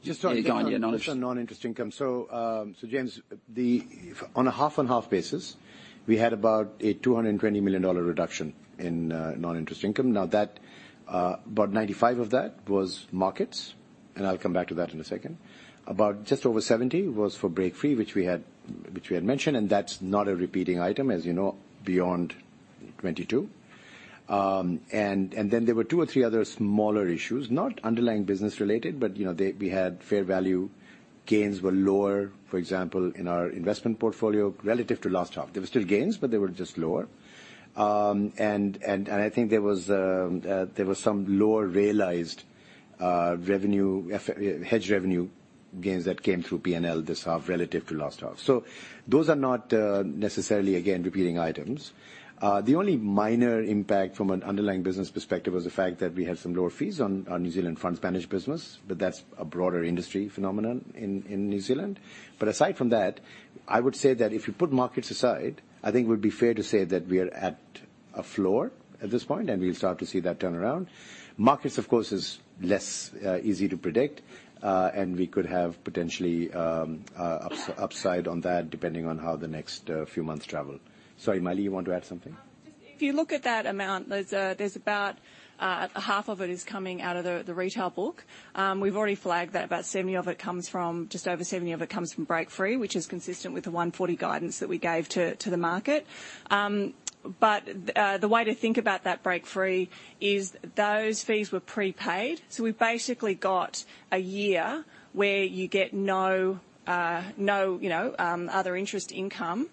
Just- Yeah, go on, yeah, no, that's. Just on non-interest income. James, on a half-on-half basis, we had about a 220 million dollar reduction in non-interest income. Now, that about 95 of that was markets, and I'll come back to that in a second. About just over 70 was for Breakfree, which we had mentioned, and that's not a repeating item, as you know, beyond 2022. I think there was some lower realized hedge revenue gains that came through P&L this half relative to last half. Those are not necessarily, again, repeating items. The only minor impact from an underlying business perspective was the fact that we had some lower fees on our New Zealand funds managed business, but that's a broader industry phenomenon in New Zealand. Aside from that, I would say that if you put markets aside, I think it would be fair to say that we are at a floor at this point, and we'll start to see that turnaround. Markets, of course, is less easy to predict, and we could have potentially upside on that depending on how the next few months travel. Sorry, Maile, you want to add something? If you look at that amount, there's about half of it is coming out of the retail book. We've already flagged that about 70 of it comes from, just over 70 of it comes from Breakfree, which is consistent with the 140 guidance that we gave to the market. The way to think about that Breakfree is those fees were prepaid, so we've basically got a year where you get no other interest income.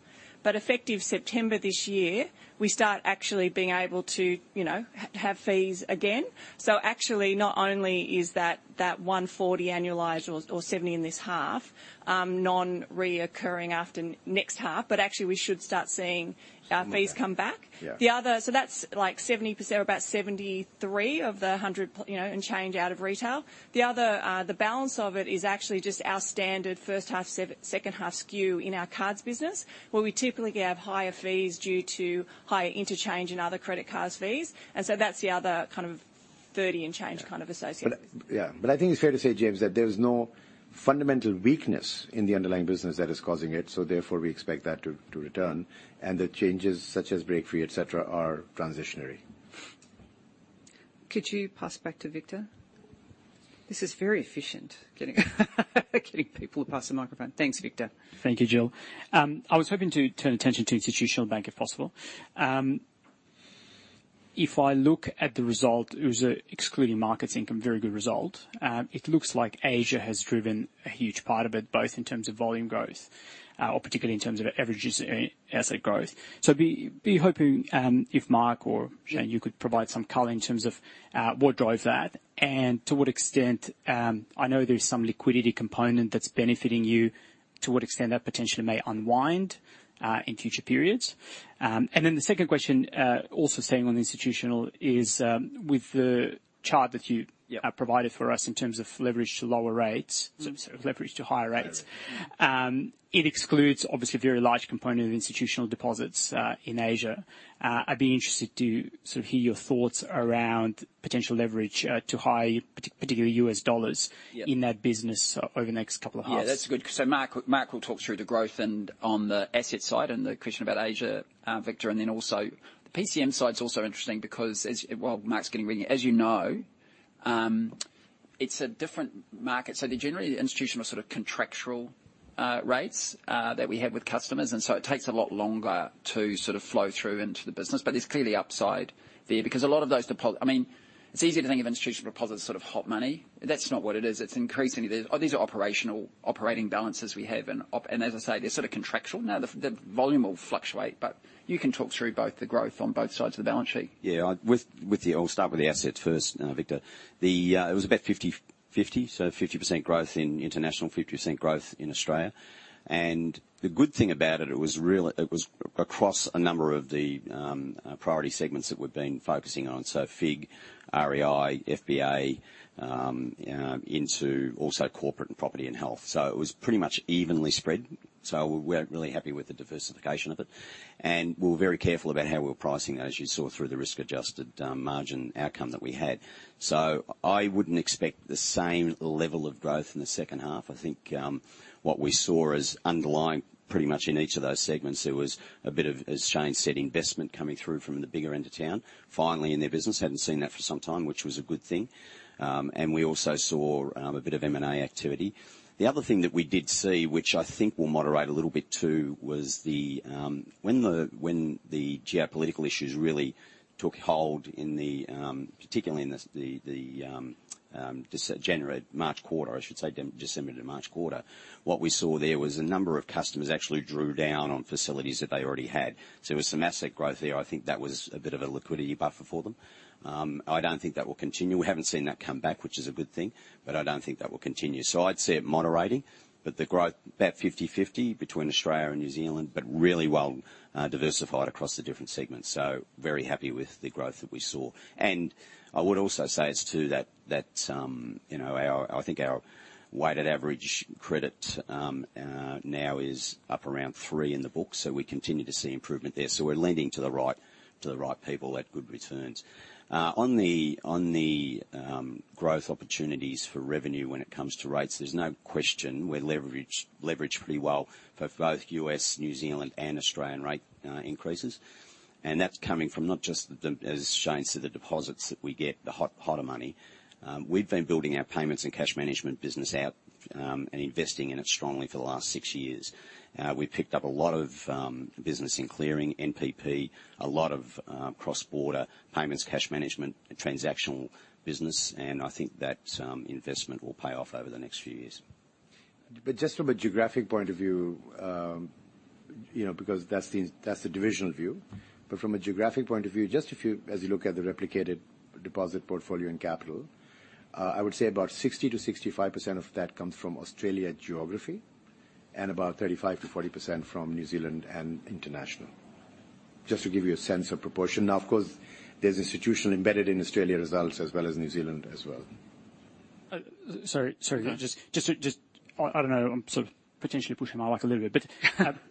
Effective September this year, we start actually being able to, you know, have fees again. Actually, not only is that 140 annualized or 70 in this half non-recurring after next half, but actually we should start seeing our fees come back. Yeah. That's like 70% or about 73 of the 100, you know, and change out of retail. The other, the balance of it is actually just our standard first half, second half skew in our cards business, where we typically have higher fees due to higher interchange and other credit cards fees. That's the other kind of 30 and change kind of associated with it. Yeah. I think it's fair to say, James, that there's no fundamental weakness in the underlying business that is causing it, so therefore we expect that to return. The changes such as Breakfree, et cetera, are transitory. Could you pass back to Victor? This is very efficient, getting people to pass the microphone. Thanks, Victor. Thank you, Jill. I was hoping to turn attention to Institutional Bank, if possible. If I look at the result, it was, excluding markets income, very good result. It looks like Asia has driven a huge part of it, both in terms of volume growth or particularly in terms of averages, asset growth. Hoping if Mark or Shayne, you could provide some color in terms of what drove that and to what extent, I know there's some liquidity component that's benefiting you, to what extent that potentially may unwind in future periods. The second question, also staying on Institutional is, with the chart that you- Yeah. have provided for us in terms of leverage to lower rates. Mm-hmm. Sorry, leverage to higher rates. Sorry. It excludes obviously a very large component of institutional deposits in Asia. I'd be interested to sort of hear your thoughts around potential leverage to high particularly US dollars- Yeah. in that business over the next couple of halves. Yeah, that's a good. Mark will talk through the growth and on the asset side and the question about Asia, Victor, and then also the PCM side is also interesting because while Mark's getting ready, as you know, it's a different market. They're generally institutional sort of contractual rates that we have with customers, and so it takes a lot longer to sort of flow through into the business. There's clearly upside there because a lot of those deposits, I mean, it's easy to think of institutional deposits as sort of hot money. That's not what it is. It's increasingly, these are operational operating balances we have. As I say, they're sort of contractual. Now the volume will fluctuate, but you can talk through both the growth on both sides of the balance sheet. Yeah. With you, I'll start with the assets first, Victor. It was about 50/50, so 50% growth in international, 50% growth in Australia. The good thing about it was really it was across a number of the priority segments that we've been focusing on. FIG, RE&I, F&BA, into also corporate and property and health. It was pretty much evenly spread, we're really happy with the diversification of it. We're very careful about how we're pricing, as you saw through the risk-adjusted margin outcome that we had. I wouldn't expect the same level of growth in the second half. I think what we saw as underlying pretty much in each of those segments, there was a bit of, as Shayne said, investment coming through from the bigger end of town, finally in their business. Hadn't seen that for some time, which was a good thing. We also saw a bit of M&A activity. The other thing that we did see, which I think will moderate a little bit too, was when the geopolitical issues really took hold particularly in the January to March quarter, I should say December to March quarter, what we saw there was a number of customers actually drew down on facilities that they already had. So there was some asset growth there. I think that was a bit of a liquidity buffer for them. I don't think that will continue. We haven't seen that come back, which is a good thing, but I don't think that will continue. I'd see it moderating, but the growth about 50/50 between Australia and New Zealand, but really well, diversified across the different segments. Very happy with the growth that we saw. I would also say this too, that, you know, our, I think our weighted average credit, now is up around 3 in the book. We continue to see improvement there. We're lending to the right people at good returns. On the growth opportunities for revenue when it comes to rates, there's no question we're leveraged pretty well for both U.S., New Zealand and Australian rate increases. That's coming from not just the, as Shayne said, the deposits that we get, the hot, hotter money. We've been building our payments and cash management business out, and investing in it strongly for the last six years. We picked up a lot of business in clearing, NPP, a lot of cross-border payments, cash management and transactional business, and I think that investment will pay off over the next few years. Just from a geographic point of view, because that's the divisional view. From a geographic point of view, just if you, as you look at the replicated deposit portfolio and capital, I would say about 60%-65% of that comes from Australia geography and about 35%-40% from New Zealand and international. Just to give you a sense of proportion. Now, of course, there's institutional embedded in Australia results as well as New Zealand as well. Sorry. No. I don't know, I'm sort of potentially pushing my luck a little bit.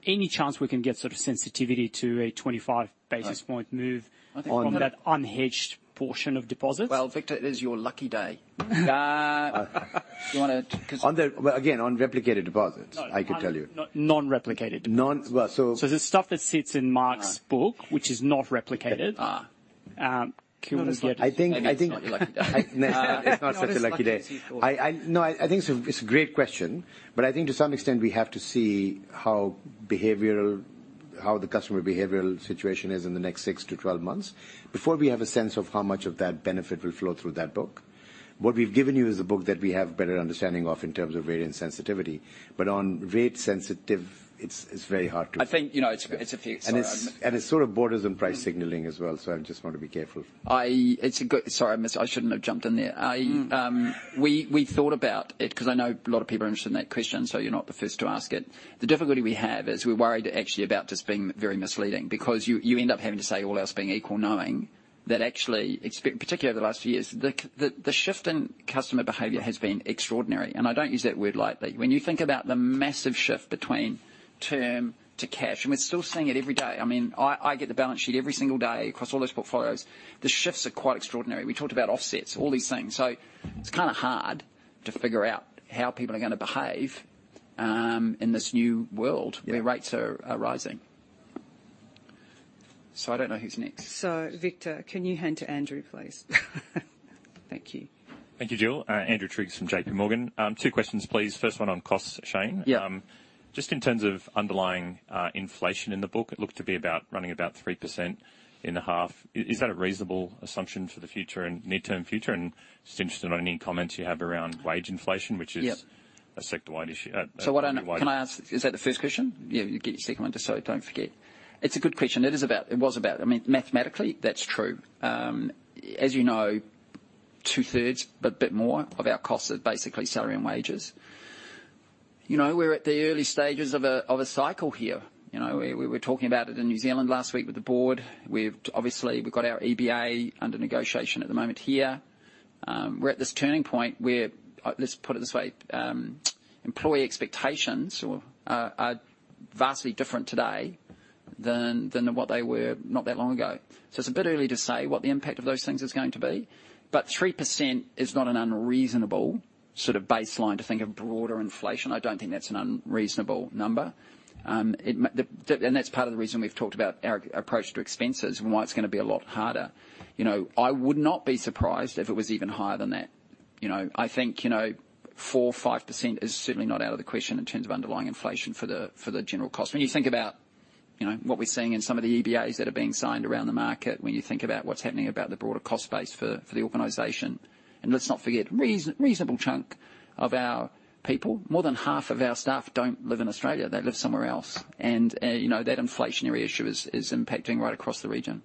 Any chance we can get sort of sensitivity to a 25 basis point move? On the- From that unhedged portion of deposits? Well, Victor, it is your lucky day. Do you wanna? Well, again, on replicated deposits. No. I could tell you. Non-replicated deposits. Non... Well, so- The stuff that sits in Mark's book- Ah. which is not replicated. Can we get- I think. No, it's not such a lucky day. What is luck as you thought? I think it's a great question. I think to some extent, we have to see how the customer behavioral situation is in the next six to 12 months before we have a sense of how much of that benefit will flow through that book. What we've given you is the book that we have better understanding of in terms of rate and sensitivity. On rate sensitive, it's very hard to I think, you know. Sorry. It sort of borders on price signaling as well, so I just want to be careful. Sorry, I shouldn't have jumped in there. Mm-hmm. We thought about it, 'cause I know a lot of people are interested in that question, so you're not the first to ask it. The difficulty we have is we're worried actually about just being very misleading, because you end up having to say all else being equal knowing that actually, particularly over the last few years, the shift in customer behavior has been extraordinary. I don't use that word lightly. When you think about the massive shift between term to cash, and we're still seeing it every day. I mean, I get the balance sheet every single day across all those portfolios. The shifts are quite extraordinary. We talked about offsets, all these things. It's kinda hard to figure out how people are gonna behave in this new world. Yeah. where rates are rising. I don't know who's next. Victor, can you hand to Andrew, please? Thank you. Thank you, Jill. Andrew Triggs from J.P. Morgan. Two questions, please. First one on costs, Shayne. Yeah. Just in terms of underlying inflation in the book, it looked to be about running about 3% in the half. Is that a reasonable assumption for the future and near-term future? Just interested on any comments you have around wage inflation, which is. Yeah. A sector-wide issue. A worldwide issue. Can I ask, is that the first question? Yeah, you get your second one, just so I don't forget. It's a good question. I mean, mathematically, that's true. As you know, 2/3, but a bit more, of our costs are basically salary and wages. You know, we're at the early stages of a cycle here. You know, we were talking about it in New Zealand last week with the board. Obviously, we've got our EBA under negotiation at the moment here. We're at this turning point where, let's put it this way, employee expectations are vastly different today than what they were not that long ago. It is a bit early to say what the impact of those things is going to be. Three percent is not an unreasonable sort of baseline to think of broader inflation. I don't think that's an unreasonable number. That's part of the reason we've talked about our approach to expenses and why it's gonna be a lot harder. You know, I would not be surprised if it was even higher than that. You know, I think, you know, 4%-5% is certainly not out of the question in terms of underlying inflation for the general cost. When you think about, you know, what we're seeing in some of the EBAs that are being signed around the market, when you think about what's happening about the broader cost base for the organization. Let's not forget, reasonable chunk of our people, more than half of our staff don't live in Australia. They live somewhere else. You know, that inflationary issue is impacting right across the region.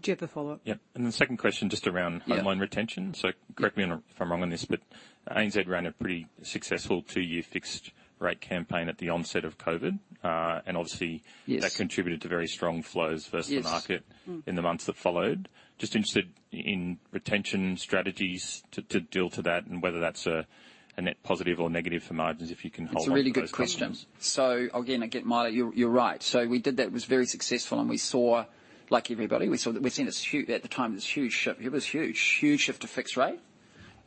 Do you have a follow-up? Yeah. The second question, just around. Yeah. Online retention. Correct me if I'm wrong on this, but ANZ ran a pretty successful two-year fixed rate campaign at the onset of COVID. And obviously Yes. that contributed to very strong flows versus Yes. the market Mm. In the months that followed. Just interested in retention strategies to deal to that, and whether that's a net positive or negative for margins, if you can hold on to those customers. It's a really good question. Again, Maile, you're right. We did that, it was very successful, and we've seen this huge shift at the time. It was huge. Huge shift to fixed rate.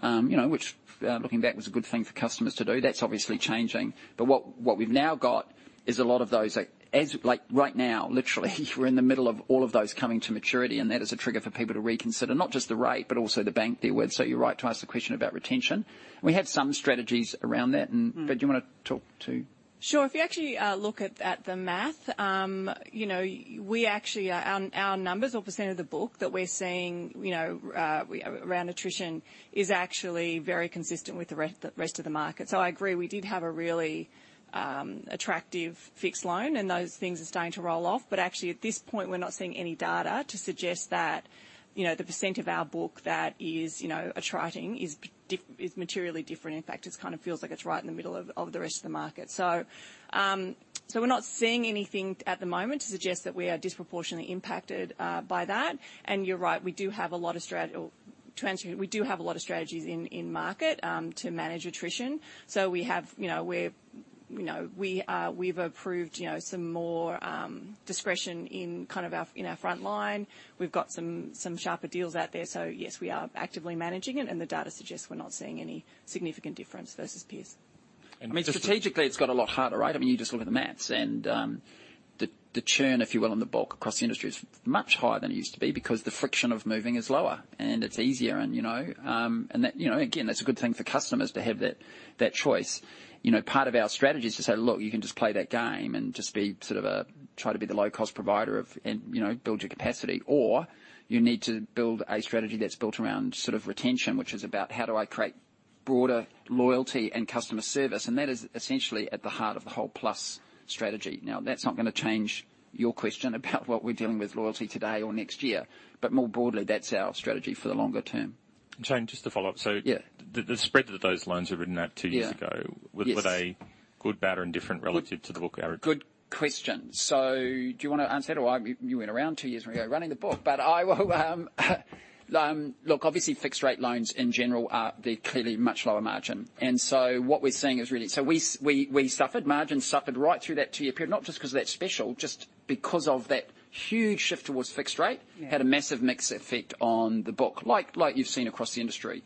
You know, which looking back, was a good thing for customers to do. That's obviously changing. What we've now got is a lot of those, like right now, literally, we're in the middle of all of those coming to maturity, and that is a trigger for people to reconsider, not just the rate, but also the bank they're with. You're right to ask the question about retention. We have some strategies around that. Mm. Do you wanna talk to? Sure. If you actually look at the math, you know, we actually our numbers, our percent of the book that we're seeing, you know around attrition is actually very consistent with the rest of the market. I agree, we did have a really attractive fixed loan, and those things are starting to roll off. Actually, at this point, we're not seeing any data to suggest that, you know, the percent of our book that is, you know, attriting is materially different. In fact, it kind of feels like it's right in the middle of the rest of the market. We're not seeing anything at the moment to suggest that we are disproportionately impacted by that. You're right, we do have a lot of strategies in market to manage attrition. We have, you know, we've approved, you know, some more discretion in kind of our front line. We've got some sharper deals out there. Yes, we are actively managing it, and the data suggests we're not seeing any significant difference versus peers. And just to- I mean, strategically, it's got a lot harder, right? I mean, you just look at the math. The churn, if you will, on the bulk across the industry is much higher than it used to be because the friction of moving is lower, and it's easier and, you know, and that, you know, again, that's a good thing for customers to have that choice. You know, part of our strategy is to say, "Look, you can just play that game and just be sort of a, try to be the low-cost provider of and, you know, build your capacity, or you need to build a strategy that's built around sort of retention, which is about how do I create broader loyalty and customer service." That is essentially at the heart of the whole Plus strategy. Now, that's not gonna change your question about what we're dealing with loyalty today or next year, but more broadly, that's our strategy for the longer term. Shane, just to follow up. Yeah. The spread that those loans were written at two years ago. Yeah. Yes. Were they good, bad, or indifferent relative to the book average? Good question. Do you want to answer that? You weren't around two years ago running the book. I will. Look, obviously, fixed rate loans in general are. They're clearly much lower margin. What we're seeing is really, we suffered, margins suffered right through that two-year period, not just 'cause of that special, just because of that huge shift towards fixed rate. Yeah. Had a massive mix effect on the book, like you've seen across the industry.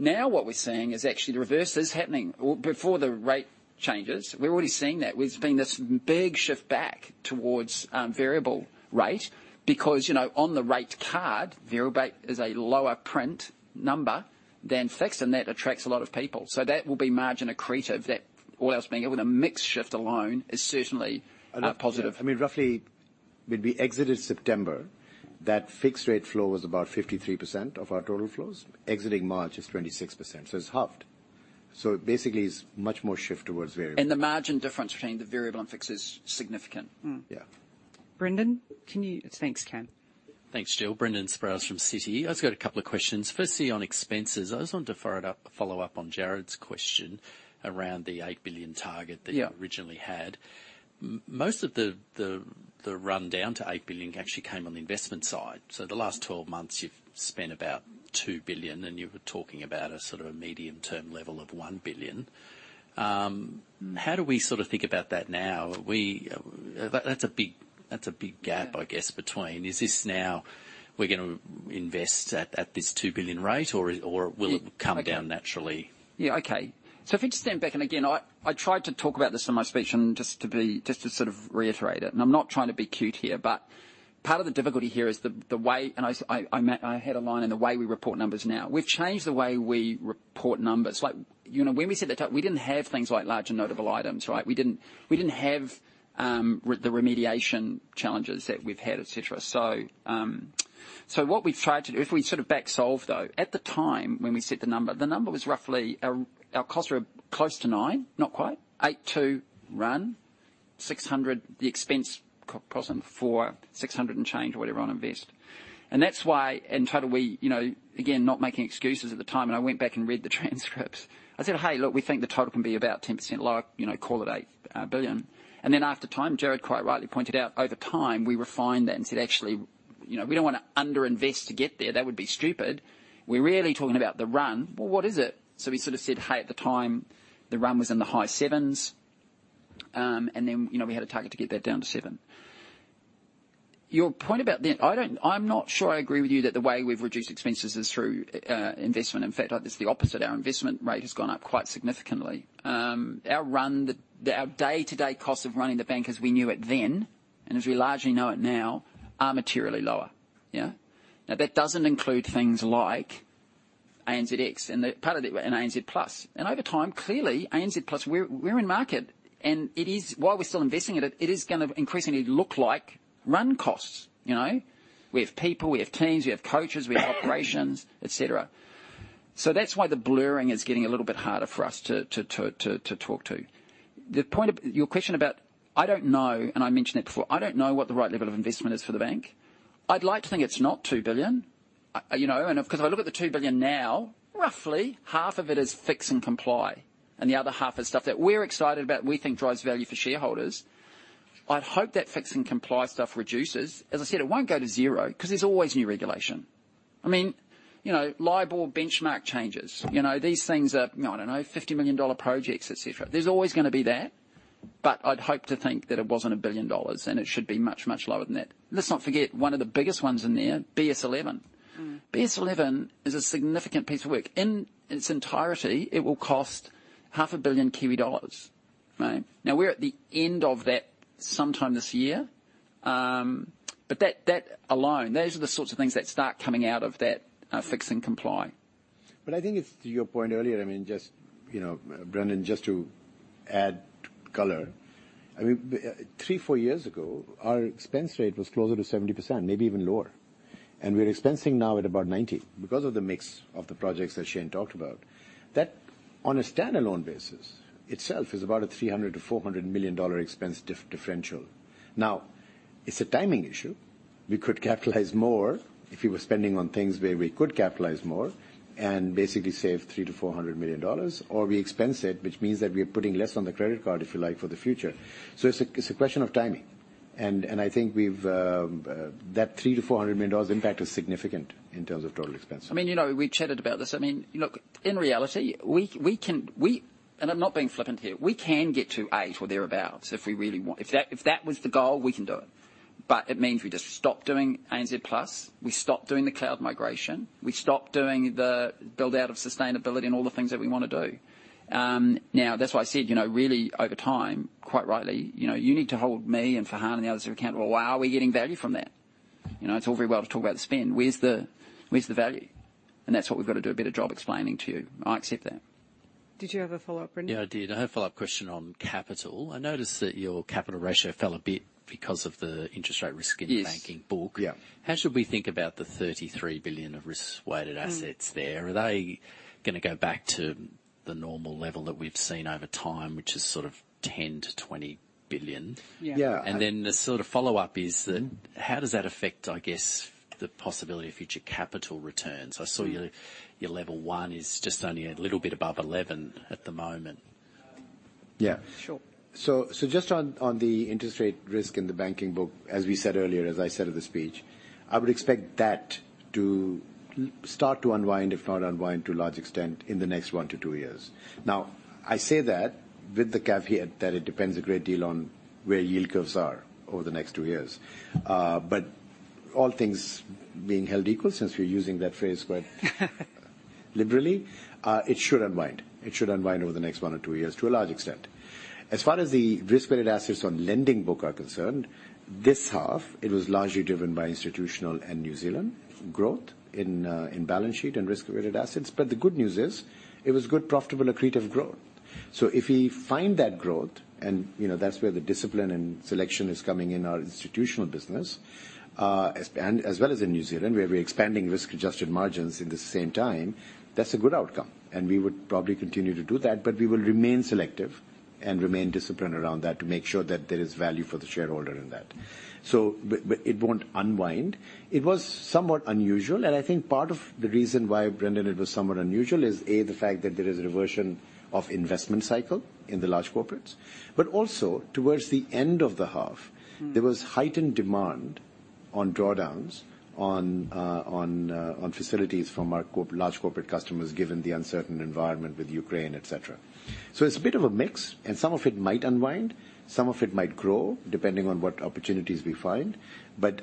Now, what we're seeing is actually the reverse is happening. Before the rate changes, we're already seeing that. There's been this big shift back towards variable rate because, you know, on the rate card, variable rate is a lower print number than fixed, and that attracts a lot of people. That will be margin accretive. That, all else being equal, the mix shift alone is certainly a positive. When we exited September, that fixed rate flow was about 53% of our total flows. Exiting March is 26%, so it's halved. Basically it's much more shift towards variable. The margin difference between the variable and fixed is significant. Yeah. Thanks, Ken. Thanks, Jill. Brendan Sproules from Citi. I just got a couple of questions. Firstly, on expenses, I just wanted to follow up on Jared's question around the 8 billion target. Yeah. That you originally had. Most of the run down to 8 billion actually came on the investment side. So the last 12 months you've spent about 2 billion, and you were talking about a sort of a medium-term level of 1 billion. How do we sort of think about that now? That's a big gap, I guess, between. Is this now we're gonna invest at this 2 billion rate? Or will it come down naturally? If we just stand back, and again, I tried to talk about this in my speech just to sort of reiterate it, and I'm not trying to be cute here, but part of the difficulty here is the way. I had a line in the way we report numbers now. We've changed the way we report numbers. Like, you know, when we set that up, we didn't have things like large and notable items, right? We didn't have the remediation challenges that we've had, et cetera. What we've tried to do, if we sort of back solve though, at the time when we set the number, the number was roughly our costs were close to 9, not quite. 8.2 run, 600 million, the expense core cost and AUD 400 million, 600 million and change or whatever on investment. That's why in total, we, you know, again, not making excuses at the time, I went back and read the transcripts. I said, "Hey, look, we think the total can be about 10% lower, you know, call it 8 billion." Then after time, Jared quite rightly pointed out over time, we refined that and said, "Actually, you know, we don't wanna under invest to get there. That would be stupid." We're really talking about the run. Well, what is it? We sort of said, "Hey, at the time, the run was in the high sevens." Then, you know, we had a target to get that down to seven. Your point about the... I'm not sure I agree with you that the way we've reduced expenses is through investment. In fact, like it's the opposite. Our investment rate has gone up quite significantly. Our day-to-day cost of running the bank as we knew it then and as we largely know it now are materially lower. Yeah? Now, that doesn't include things like ANZx and the part of it, and ANZ Plus. And over time, clearly ANZ Plus, we're in market, and it is, while we're still investing in it is gonna increasingly look like run costs. You know? We have people, we have teams, we have coaches, we have operations, et cetera. That's why the blurring is getting a little bit harder for us to talk to. The point of. Your question about, I don't know, I mentioned it before. I don't know what the right level of investment is for the bank. I'd like to think it's not 2 billion. You know, 'cause if I look at the 2 billion now, roughly half of it is fix and comply, and the other half is stuff that we're excited about. We think drives value for shareholders. I'd hope that fix and comply stuff reduces. As I said, it won't go to zero, 'cause there's always new regulation. I mean, you know, LIBOR benchmark changes. You know, these things are, I don't know, 50 million dollar projects, et cetera. There's always gonna be that. I'd hope to think that it wasn't 1 billion dollars, and it should be much, much lower than that. Let's not forget one of the biggest ones in there, BS11. Mm. BS11 is a significant piece of work. In its entirety, it will cost half a billion Kiwi dollars. Right? Now, we're at the end of that sometime this year. That alone, those are the sorts of things that start coming out of that fix and comply. I think it's to your point earlier, I mean, just, you know, Brendan, just to add color. I mean, 3-4 years ago, our expense rate was closer to 70%, maybe even lower. We're expensing now at about 90% because of the mix of the projects that Shayne talked about. That, on a standalone basis itself is about a 300 million-400 million dollar expense differential. Now, it's a timing issue. We could capitalize more if we were spending on things where we could capitalize more and basically save 300-400 million dollars, or we expense it, which means that we're putting less on the credit card, if you like, for the future. It's a question of timing. I think that 300 million-400 million dollars impact is significant in terms of total expenses. I mean, you know, we chatted about this. I mean, look, in reality, we can. I'm not being flippant here. We can get to eight or thereabout if we really want. If that was the goal, we can do it. But it means we just stop doing ANZ Plus, we stop doing the cloud migration, we stop doing the build-out of sustainability and all the things that we wanna do. Now, that's why I said, you know, really over time, quite rightly, you know, you need to hold me and Farhan and the others accountable. Are we getting value from that? You know, it's all very well to talk about the spend. Where's the value? And that's what we've got to do a better job explaining to you. I accept that. Did you have a follow-up, Brendan? Yeah, I did. I had a follow-up question on capital. I noticed that your capital ratio fell a bit because of the interest rate risk. Yes. in the banking book. Yeah. How should we think about the 33 billion of risk-weighted assets there? Are they gonna go back to the normal level that we've seen over time, which is sort of 10 billion-20 billion? Yeah. Yeah. The sort of follow-up is, how does that affect, I guess, the possibility of future capital returns? I saw your level one is just only a little bit above 11 at the moment. Yeah. Sure. Just on the interest rate risk in the banking book, as we said earlier, as I said in the speech, I would expect that to start to unwind, if not unwind to a large extent in the next 1-2 years. Now, I say that with the caveat that it depends a great deal on where yield curves are over the next two years. But all things being held equal, since we're using that phrase quite liberally, it should unwind. It should unwind over the next one or two years to a large extent. As far as the risk-weighted assets on lending book are concerned, this half, it was largely driven by institutional and New Zealand growth in balance sheet and risk-weighted assets. The good news is, it was good, profitable, accretive growth. If we find that growth, and, you know, that's where the discipline and selection is coming in our institutional business, as well as in New Zealand, where we're expanding risk-adjusted margins at the same time, that's a good outcome, and we would probably continue to do that. We will remain selective and remain disciplined around that to make sure that there is value for the shareholder in that. It won't unwind. It was somewhat unusual, and I think part of the reason why, Brendan, it was somewhat unusual is, A, the fact that there is a reversion of investment cycle in the large corporates. Also towards the end of the half. Mm-hmm. There was heightened demand on drawdowns on facilities from our large corporate customers, given the uncertain environment with Ukraine, et cetera. It's a bit of a mix, and some of it might unwind, some of it might grow, depending on what opportunities we find.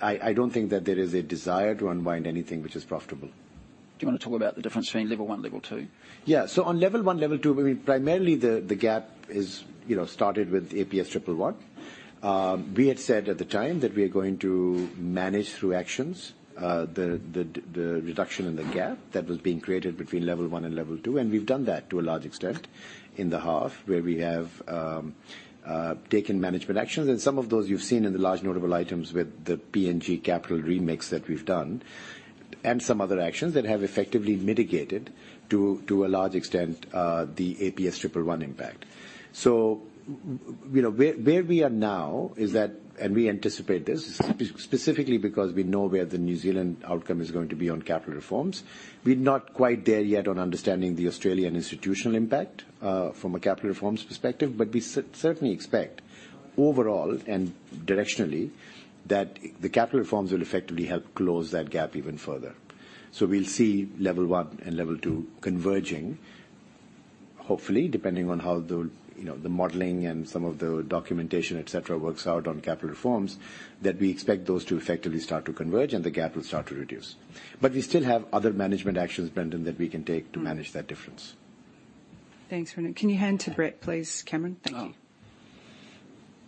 I don't think that there is a desire to unwind anything which is profitable. Do you wanna talk about the difference between level one, level two? Yeah. On level one, level two, I mean, primarily the gap is, you know, started with APS 111. We had said at the time that we are going to manage through actions the reduction in the gap that was being created between level one and level two, and we've done that to a large extent in the half, where we have taken management actions. Some of those you've seen in the large notable items with the PNG capital remix that we've done, and some other actions that have effectively mitigated to a large extent the APS 111 impact. Where we are now is that, and we anticipate this, specifically because we know where the New Zealand outcome is going to be on capital reforms. We're not quite there yet on understanding the Australian institutional impact from a capital reforms perspective. We certainly expect overall and directionally that the capital reforms will effectively help close that gap even further. We'll see level one and level two converging, hopefully, depending on how the you know the modeling and some of the documentation et cetera works out on capital reforms, that we expect those to effectively start to converge, and the gap will start to reduce. We still have other management actions, Brendan, that we can take. Mm-hmm. to manage that difference. Thanks, Farhan. Can you hand to Brett, please, Cameron? Thank you. Oh.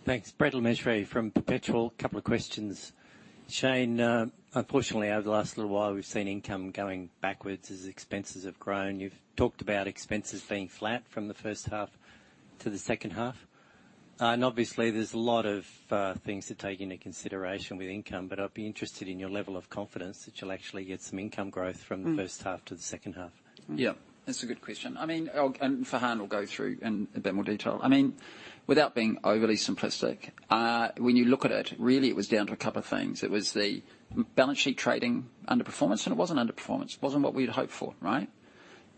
Thanks. Brett Le Mesurier from Perpetual. Couple of questions. Shayne, unfortunately over the last little while, we've seen income going backwards as expenses have grown. You've talked about expenses being flat from the first half to the second half. Obviously there's a lot of things to take into consideration with income, but I'd be interested in your level of confidence that you'll actually get some income growth from the first half to the second half. Yeah, that's a good question. I mean, Farhan will go through in a bit more detail. I mean, without being overly simplistic, when you look at it, really it was down to a couple of things. It was the balance sheet trading underperformance. It wasn't underperformance. It wasn't what we'd hoped for, right?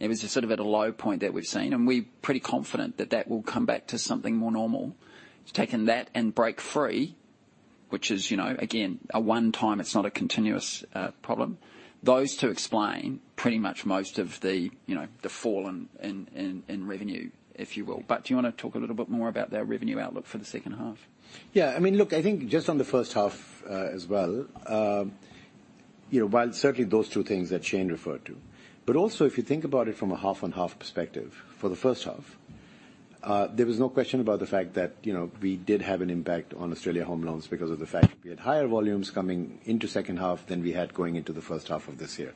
It was just sort of at a low point that we've seen, and we're pretty confident that that will come back to something more normal. Taking that and Breakfree, which is, you know, again, a one-time, it's not a continuous problem. Those two explain pretty much most of the, you know, the fall in revenue, if you will. But do you wanna talk a little bit more about that revenue outlook for the second half? Yeah. I mean, look, I think just on the first half, as well, you know, while certainly those two things that Shayne referred to. Also if you think about it from a half-on-half perspective, for the first half, there was no question about the fact that, you know, we did have an impact on Australia home loans because of the fact that we had higher volumes coming into second half than we had going into the first half of this year.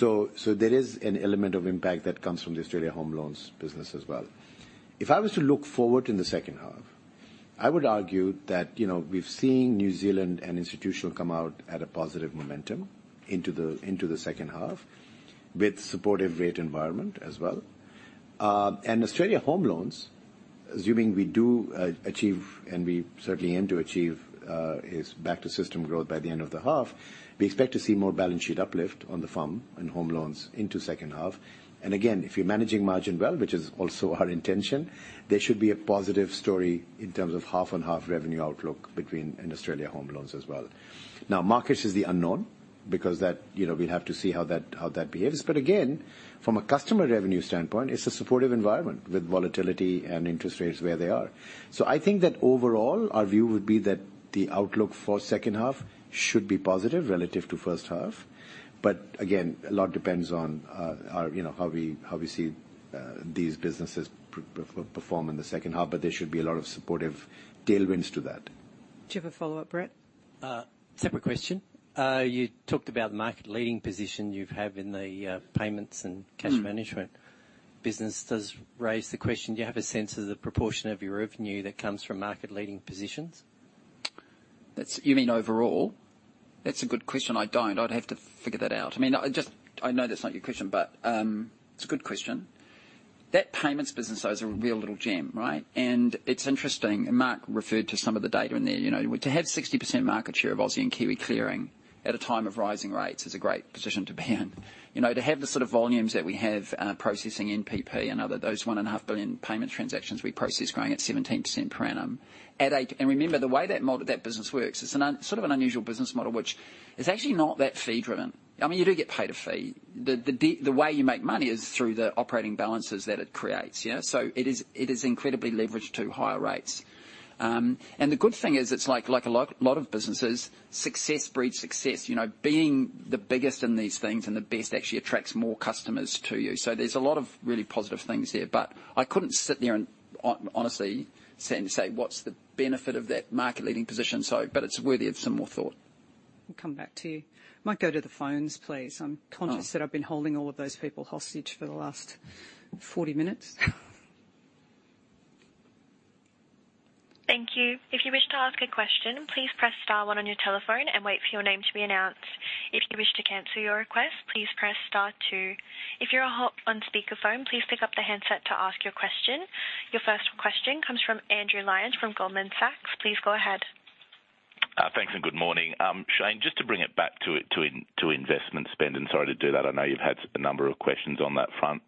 There is an element of impact that comes from the Australia home loans business as well. If I was to look forward in the second half, I would argue that, you know, we've seen New Zealand and Institutional come out at a positive momentum into the second half, with supportive rate environment as well. Australian home loans, assuming we do achieve, and we certainly aim to achieve, is back to system growth by the end of the half. We expect to see more balance sheet uplift on the FUM and home loans into second half. Again, if you're managing margin well, which is also our intention, there should be a positive story in terms of half-on-half revenue outlook between, in Australian home loans as well. Now markets is the unknown because that, you know, we'd have to see how that behaves. Again, from a customer revenue standpoint, it's a supportive environment with volatility and interest rates where they are. I think that overall our view would be that the outlook for second half should be positive relative to first half. Again, a lot depends on our, you know, how we see these businesses perform in the second half, but there should be a lot of supportive tailwinds to that. Do you have a follow-up, Brett? Separate question. You talked about the market-leading position you have in the payments and cash management business. Mm-hmm. Does raise the question, do you have a sense of the proportion of your revenue that comes from market-leading positions? You mean overall? That's a good question. I don't. I'd have to figure that out. I mean, I know that's not your question, but it's a good question. That payments business though is a real little gem, right? It's interesting, and Mark referred to some of the data in there. You know, to have 60% market share of Aussie and Kiwi clearing at a time of rising rates is a great position to be in. You know, to have the sort of volumes that we have processing NPP and other, those 1.5 billion payment transactions we process growing at 17% per annum. Remember, the way that business works, it's sort of an unusual business model, which is actually not that fee driven. I mean, you do get paid a fee. The way you make money is through the operating balances that it creates, yeah? It is incredibly leveraged to higher rates. The good thing is it's a lot of businesses, success breeds success. You know, being the biggest in these things and the best actually attracts more customers to you. There's a lot of really positive things there. I couldn't sit there and honestly stand and say what's the benefit of that market-leading position. It's worthy of some more thought. I'll come back to you. Might go to the phones, please. I'm conscious that I've been holding all of those people hostage for the last 40 minutes. Thank you. If you wish to ask a question, please press star one on your telephone and wait for your name to be announced. If you wish to cancel your request, please press star two. If you're on speakerphone, please pick up the handset to ask your question. Your first question comes from Andrew Lyons from Goldman Sachs. Please go ahead. Thanks and good morning. Shayne, just to bring it back to investment spend, and sorry to do that, I know you've had a number of questions on that front.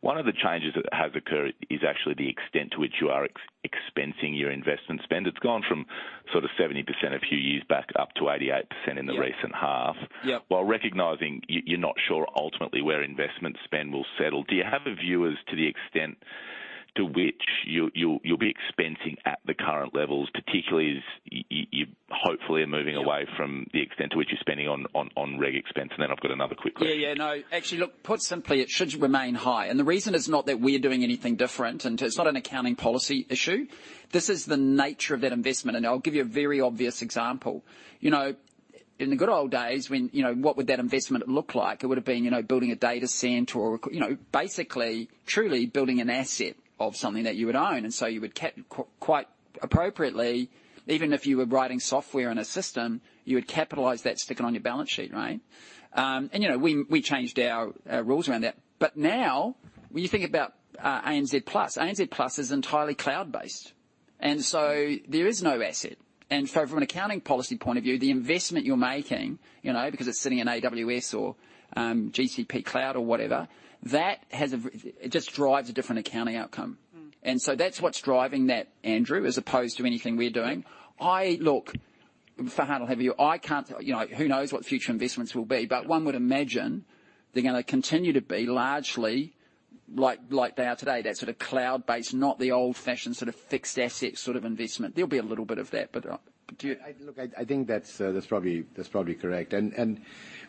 One of the changes that has occurred is actually the extent to which you are expensing your investment spend. It's gone from sort of 70% a few years back up to 88% in the recent half. Yeah. While recognizing you're not sure ultimately where investment spend will settle, do you have a view as to the extent to which you'll be expensing at the current levels, particularly as you hopefully are moving away from the extent to which you're spending on reg expense? I've got another quick one. Yeah, yeah. No, actually, look, put simply, it should remain high. The reason is not that we're doing anything different, and it's not an accounting policy issue. This is the nature of that investment. I'll give you a very obvious example. You know, in the good old days, when, you know, what would that investment look like? It would have been, you know, building a data center or, you know, basically truly building an asset of something that you would own. You would quite appropriately, even if you were writing software in a system, capitalize that, stick it on your balance sheet, right? And you know, we changed our rules around that. Now when you think about ANZ Plus, ANZ Plus is entirely cloud-based, and so there is no asset. From an accounting policy point of view, the investment you're making, you know, because it's sitting in AWS or GCP Cloud or whatever, it just drives a different accounting outcome. Mm. That's what's driving that, Andrew, as opposed to anything we're doing. Look, Farhan will have you, I can't tell, you know, who knows what future investments will be, but one would imagine they're gonna continue to be largely like they are today. That sort of cloud-based, not the old-fashioned sort of fixed asset sort of investment. There'll be a little bit of that, but do you- Look, I think that's probably correct.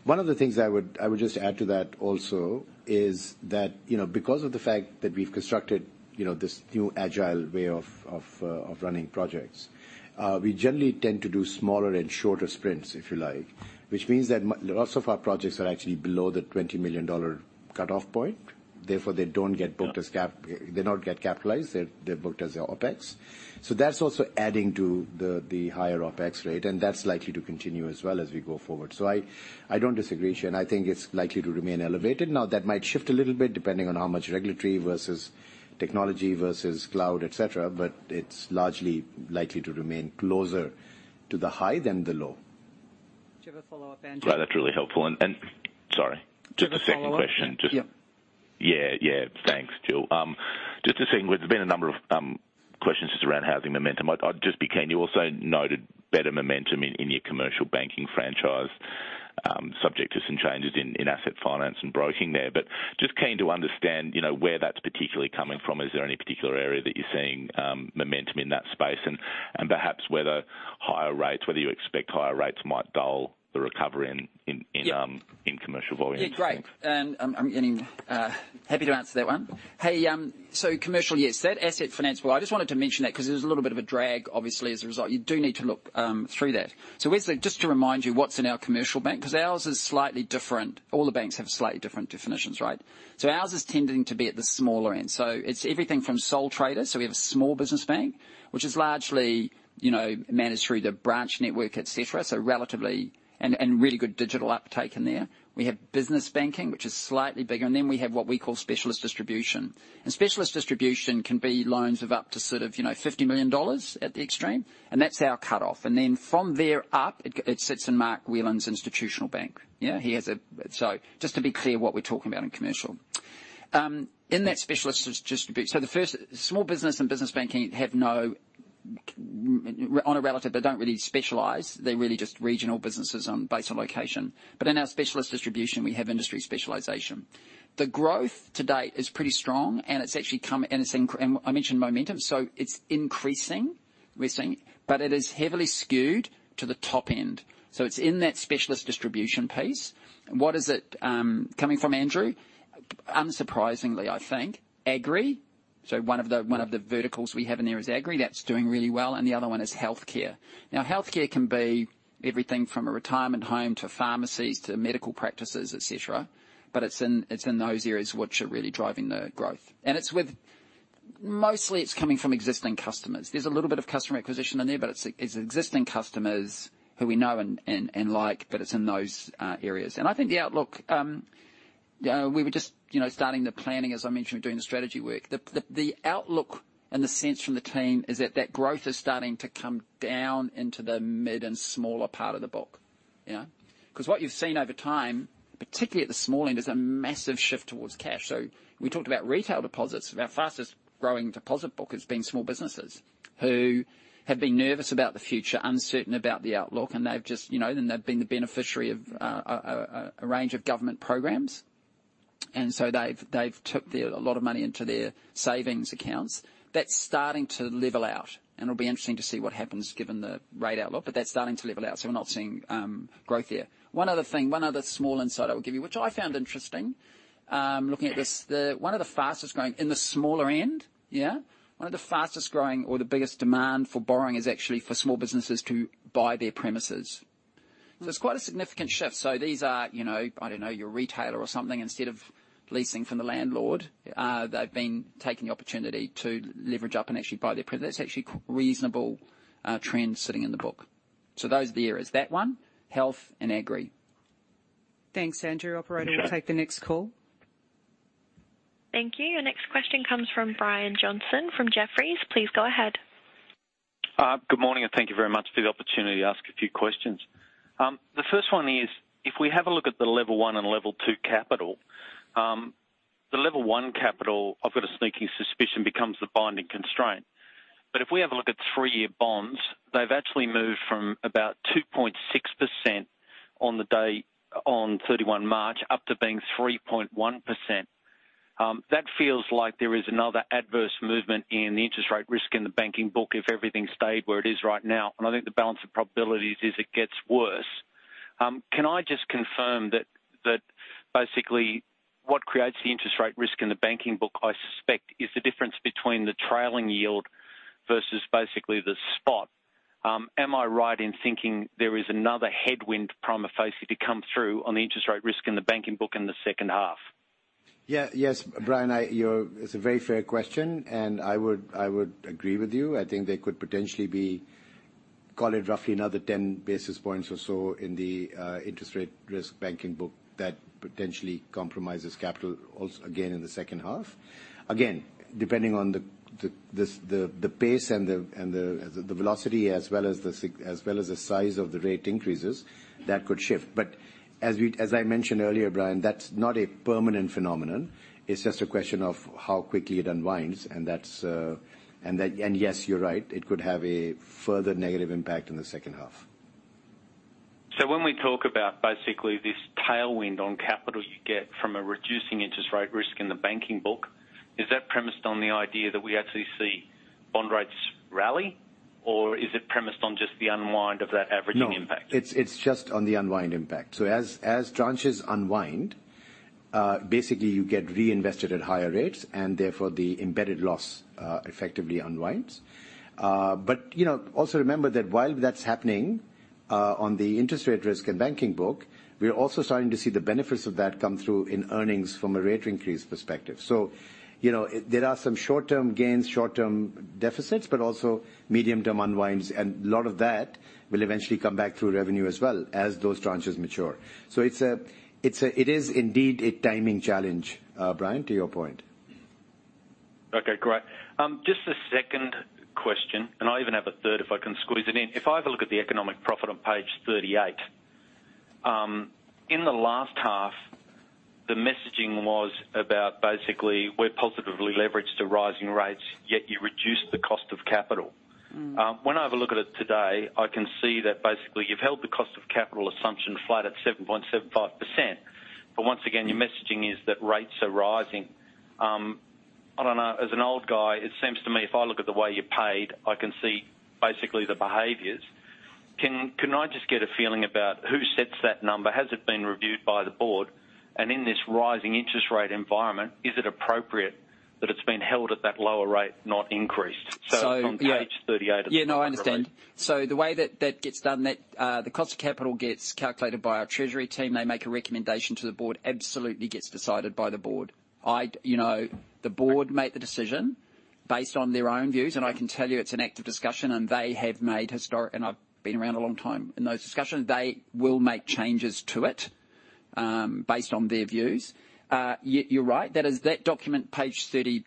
One of the things I would just add to that also is that, you know, because of the fact that we've constructed, you know, this new agile way of running projects, we generally tend to do smaller and shorter sprints, if you like, which means that lots of our projects are actually below the 20 million dollar cutoff point. Therefore, they don't get booked as cap- Yeah. They don't get capitalized. They're booked as your OpEx. That's also adding to the higher OpEx rate, and that's likely to continue as well as we go forward. I don't disagree, Shayne. I think it's likely to remain elevated. Now, that might shift a little bit depending on how much regulatory versus technology versus cloud, et cetera, but it's largely likely to remain closer to the high than the low. Do you have a follow-up, Andrew? Right. That's really helpful. Sorry. Just a second question. Do you have a follow-up? Yeah. Yeah, yeah. Thanks, Jill. Just to say, there's been a number of questions just around housing momentum. I'd just be keen. You also noted better momentum in your commercial banking franchise, subject to some changes in asset finance and broking there. Just keen to understand, you know, where that's particularly coming from. Is there any particular area that you're seeing momentum in that space? And perhaps whether you expect higher rates might dull the recovery in Yeah. in commercial volumes. Yeah. Great. Happy to answer that one. Hey, commercial, yes. That asset finance, well, I just wanted to mention that 'cause there's a little bit of a drag, obviously, as a result. You do need to look through that. Brendan Sproules, just to remind you what's in our commercial bank, 'cause ours is slightly different. All the banks have slightly different definitions, right? Ours is tending to be at the smaller end. It's everything from sole traders. We have a small business bank, which is largely, you know, managed through the branch network, et cetera. Relatively and really good digital uptake in there. We have business banking, which is slightly bigger, and then we have what we call specialist distribution. Specialist distribution can be loans of up to sort of, you know, 50 million dollars at the extreme, and that's our cutoff. Then from there up, it sits in Mark Whelan's institutional bank. Yeah. He has a. Just to be clear what we're talking about in commercial. In that specialist distribution. The first, small business and business banking have no minimums on a relative, they don't really specialize. They're really just regional businesses based on location. In our specialist distribution, we have industry specialization. The growth to date is pretty strong, and it's actually come, and I mentioned momentum, so it's increasing, we're seeing. It is heavily skewed to the top end. It's in that specialist distribution piece. What is it coming from, Andrew? Unsurprisingly, I think, agri. One of the verticals we have in there is agri. That's doing really well, and the other one is healthcare. Now, healthcare can be everything from a retirement home, to pharmacies, to medical practices, et cetera. It's in those areas which are really driving the growth. Mostly it's coming from existing customers. There's a little bit of customer acquisition in there, but it's existing customers who we know and like, but it's in those areas. I think the outlook, we were just, you know, starting the planning, as I mentioned, we're doing the strategy work. The outlook and the sense from the team is that that growth is starting to come down into the mid and smaller part of the book. You know? 'Cause what you've seen over time, particularly at the small end, is a massive shift towards cash. We talked about retail deposits. Our fastest growing deposit book has been small businesses who have been nervous about the future, uncertain about the outlook, and they've just, you know, and they've been the beneficiary of a range of government programs. They've took a lot of money into their savings accounts. That's starting to level out, and it'll be interesting to see what happens given the rate outlook, but that's starting to level out, so we're not seeing growth there. One other thing, one other small insight I would give you, which I found interesting, looking at this. One of the fastest growing, in the smaller end, yeah? One of the fastest growing or the biggest demand for borrowing is actually for small businesses to buy their premises. It's quite a significant shift. These are, you know, I don't know, your retailer or something, instead of leasing from the landlord, they've been taking the opportunity to leverage up and actually buy their premises. That's actually reasonable trends sitting in the book. Those are the areas. That one, health and agri. Thanks, Andrew. Sure. Operator, we'll take the next call. Thank you. Our next question comes from Brian Johnson from Jefferies. Please go ahead. Good morning, and thank you very much for the opportunity to ask a few questions. The first one is, if we have a look at the level one and level two capital, the level one capital, I've got a sneaking suspicion becomes the binding constraint. If we have a look at three-year bonds, they've actually moved from about 2.6% on the day, on 31 March, up to being 3.1%. That feels like there is another adverse movement in the interest rate risk in the banking book if everything stayed where it is right now, and I think the balance of probabilities is it gets worse. Can I just confirm that basically what creates the interest rate risk in the banking book, I suspect, is the difference between the trailing yield versus basically the spot. Am I right in thinking there is another headwind prima facie to come through on the interest rate risk in the banking book in the second half? Yeah. Yes, Brian, it's a very fair question, and I would agree with you. I think there could potentially be, call it roughly another 10 basis points or so in the interest rate risk banking book that potentially compromises capital again in the second half. Again, depending on the pace and the velocity as well as the size of the rate increases, that could shift. But as I mentioned earlier, Brian, that's not a permanent phenomenon. It's just a question of how quickly it unwinds. That's. Yes, you're right, it could have a further negative impact in the second half. When we talk about basically this tailwind on capital you get from a reducing interest rate risk in the banking book, is that premised on the idea that we actually see bond rates rally, or is it premised on just the unwind of that averaging impact? No. It's just on the unwind impact. As tranches unwind, basically you get reinvested at higher rates and therefore the embedded loss effectively unwinds. But you know, also remember that while that's happening, on the interest rate risk and banking book, we're also starting to see the benefits of that come through in earnings from a rate increase perspective. You know, there are some short-term gains, short-term deficits, but also medium-term unwinds, and a lot of that will eventually come back through revenue as well as those tranches mature. It is indeed a timing challenge, Brian, to your point. Okay, great. Just a second question, and I'll even have a third if I can squeeze it in. If I have a look at the economic profit on page 38, in the last half, the messaging was about basically we're positively leveraged to rising rates, yet you reduced the cost of capital. Mm. When I have a look at it today, I can see that basically you've held the cost of capital assumption flat at 7.75%. Once again, your messaging is that rates are rising. I don't know, as an old guy, it seems to me if I look at the way you paid, I can see basically the behaviors. Can I just get a feeling about who sets that number? Has it been reviewed by the board? In this rising interest rate environment, is it appropriate that it's been held at that lower rate, not increased? So- It's on page 38 of the. Yeah, no, I understand. The way that gets done, the cost of capital gets calculated by our treasury team. They make a recommendation to the board. Absolutely, it gets decided by the board. The board makes the decision based on their own views, and I can tell you it's an active discussion, and they have made historically, and I've been around a long time in those discussions. They will make changes to it based on their views. You're right. That document, page 38,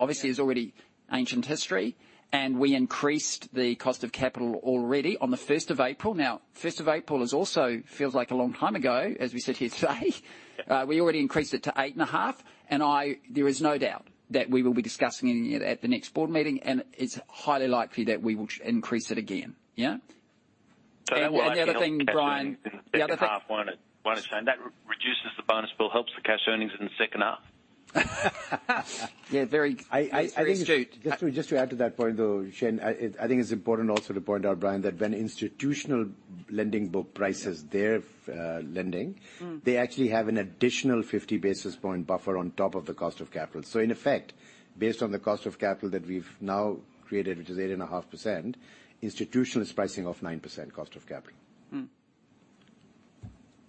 obviously is already ancient history, and we increased the cost of capital already on the first of April. Now, the first of April also feels like a long time ago, as we sit here today. We already increased it to 8.5, and there is no doubt that we will be discussing it at the next board meeting, and it's highly likely that we will increase it again. Yeah? The other thing, Brian. That will actually help the cash earnings in the second half, won't it? That reduces the bonus pool, helps the cash earnings in the second half. Yeah. I think. That's very astute. Just to add to that point, though, Shayne, I think it's important also to point out, Brian, that when institutional lending book prices their lending- Mm. They actually have an additional 50 basis points buffer on top of the cost of capital. In effect, based on the cost of capital that we've now created, which is 8.5%, Institutional is pricing off 9% cost of capital.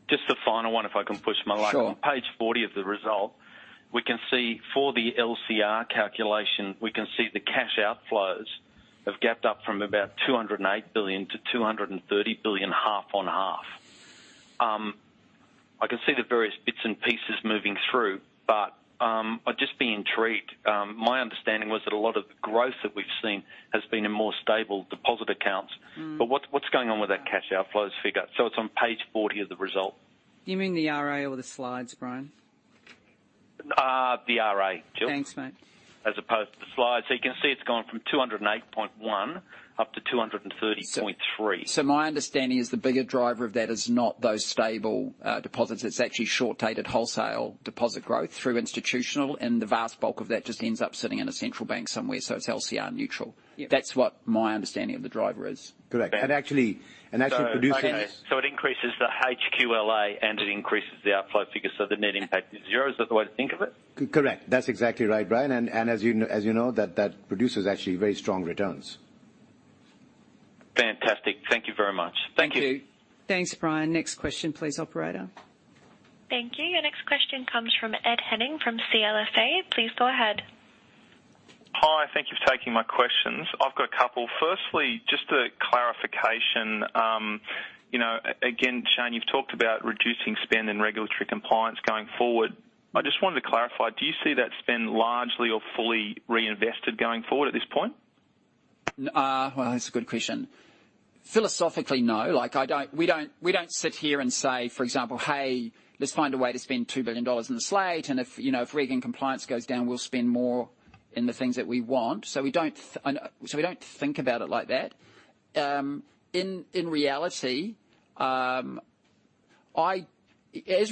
Mm. Just a final one, if I can push my luck. Sure. On page 40 of the results, we can see for the LCR calculation, we can see the cash outflows have gapped up from about 208 billion to 230 billion half-on-half. I can see the various bits and pieces moving through, but, I'd just be intrigued. My understanding was that a lot of growth that we've seen has been in more stable deposit accounts. Mm. What's going on with that cash outflows figure? It's on page 40 of the result. You mean the RA or the slides, Brian? The R.A., Jill. Thanks, mate. As opposed to the slides. You can see it's gone from 208.1 up to 230.3. My understanding is the bigger driver of that is not those stable deposits. It's actually short-dated wholesale deposit growth through Institutional, and the vast bulk of that just ends up sitting in a central bank somewhere, so it's LCR neutral. Yep. That's what my understanding of the driver is. Correct. That actually produces. Okay. It increases the HQLA, and it increases the outflow figure, so the net impact is zero. Is that the way to think of it? Correct. That's exactly right, Brian. As you know, that produces actually very strong returns. Fantastic. Thank you very much. Thank you. Thank you. Thanks, Brian. Next question please, operator. Thank you. Your next question comes from Ed Henning from CLSA. Please go ahead. Hi. Thank you for taking my questions. I've got a couple. Firstly, just a clarification. You know, again, Shayne, you've talked about reducing spend and regulatory compliance going forward. I just wanted to clarify, do you see that spend largely or fully reinvested going forward at this point? Well, that's a good question. Philosophically, no. Like, we don't sit here and say, for example, "Hey, let's find a way to spend 2 billion dollars in the slate, and if, you know, if reg and compliance goes down, we'll spend more in the things that we want." We don't think about it like that. In reality, as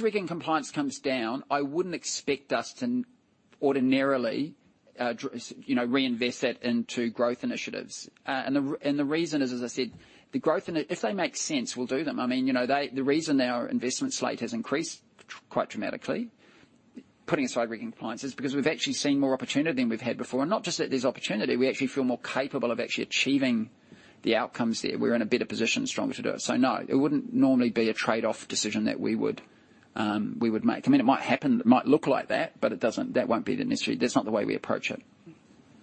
reg and compliance comes down, I wouldn't expect us to ordinarily, you know, reinvest that into growth initiatives. The reason is, as I said, the growth in it. If they make sense, we'll do them. I mean, you know, the reason our investment slate has increased quite dramatically, putting aside reg and compliance, is because we've actually seen more opportunity than we've had before. Not just that there's opportunity, we actually feel more capable of actually achieving the outcomes there. We're in a better position, stronger to do it. No, it wouldn't normally be a trade-off decision that we would make. I mean, it might happen. It might look like that, but it doesn't. That won't be the necessity. That's not the way we approach it.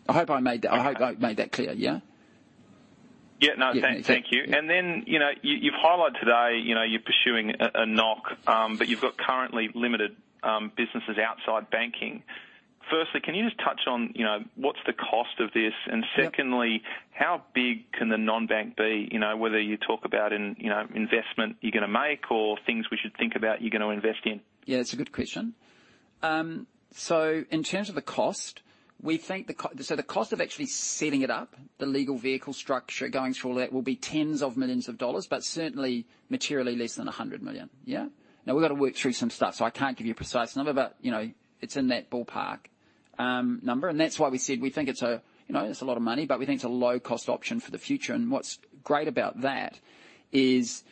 I hope I made that clear, yeah? Yeah, no. Yeah. Thank you. You know, you've highlighted today, you know, you're pursuing a NOC, but you've got currently limited businesses outside banking. Firstly, can you just touch on, you know, what's the cost of this? Yeah. Secondly, how big can the non-bank be? You know, whether you talk about in, you know, investment you're gonna make or things we should think about you're gonna invest in. Yeah, it's a good question. In terms of the cost, we think the cost of actually setting it up, the legal vehicle structure, going through all that, will be tens of millions of dollars, but certainly materially less than 100 million. Yeah. Now, we've got to work through some stuff, so I can't give you a precise number. You know, it's in that ballpark number. That's why we said we think it's a, you know, it's a lot of money, but we think it's a low cost option for the future. What's great about that is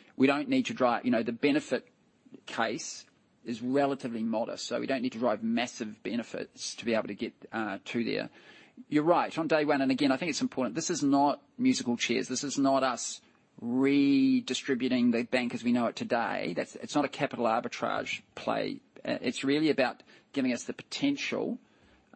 we don't need to drive massive benefits to be able to get to there. You're right. On day one, again, I think it's important, this is not musical chairs. This is not us redistributing the bank as we know it today. That's. It's not a capital arbitrage play. It's really about giving us the potential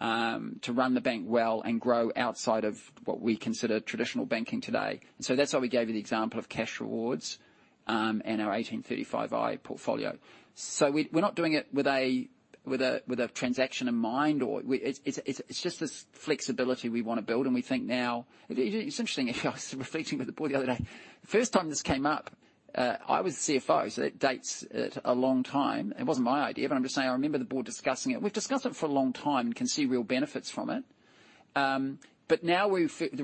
to run the bank well and grow outside of what we consider traditional banking today. That's why we gave you the example of Cashrewards and our 1835i portfolio. We're not doing it with a transaction in mind, or. It's just this flexibility we wanna build, and we think now. It's interesting. I was reflecting with the board the other day. First time this came up, I was the CFO, so it dates back a long time. It wasn't my idea, but I'm just saying I remember the board discussing it. We've discussed it for a long time, can see real benefits from it. The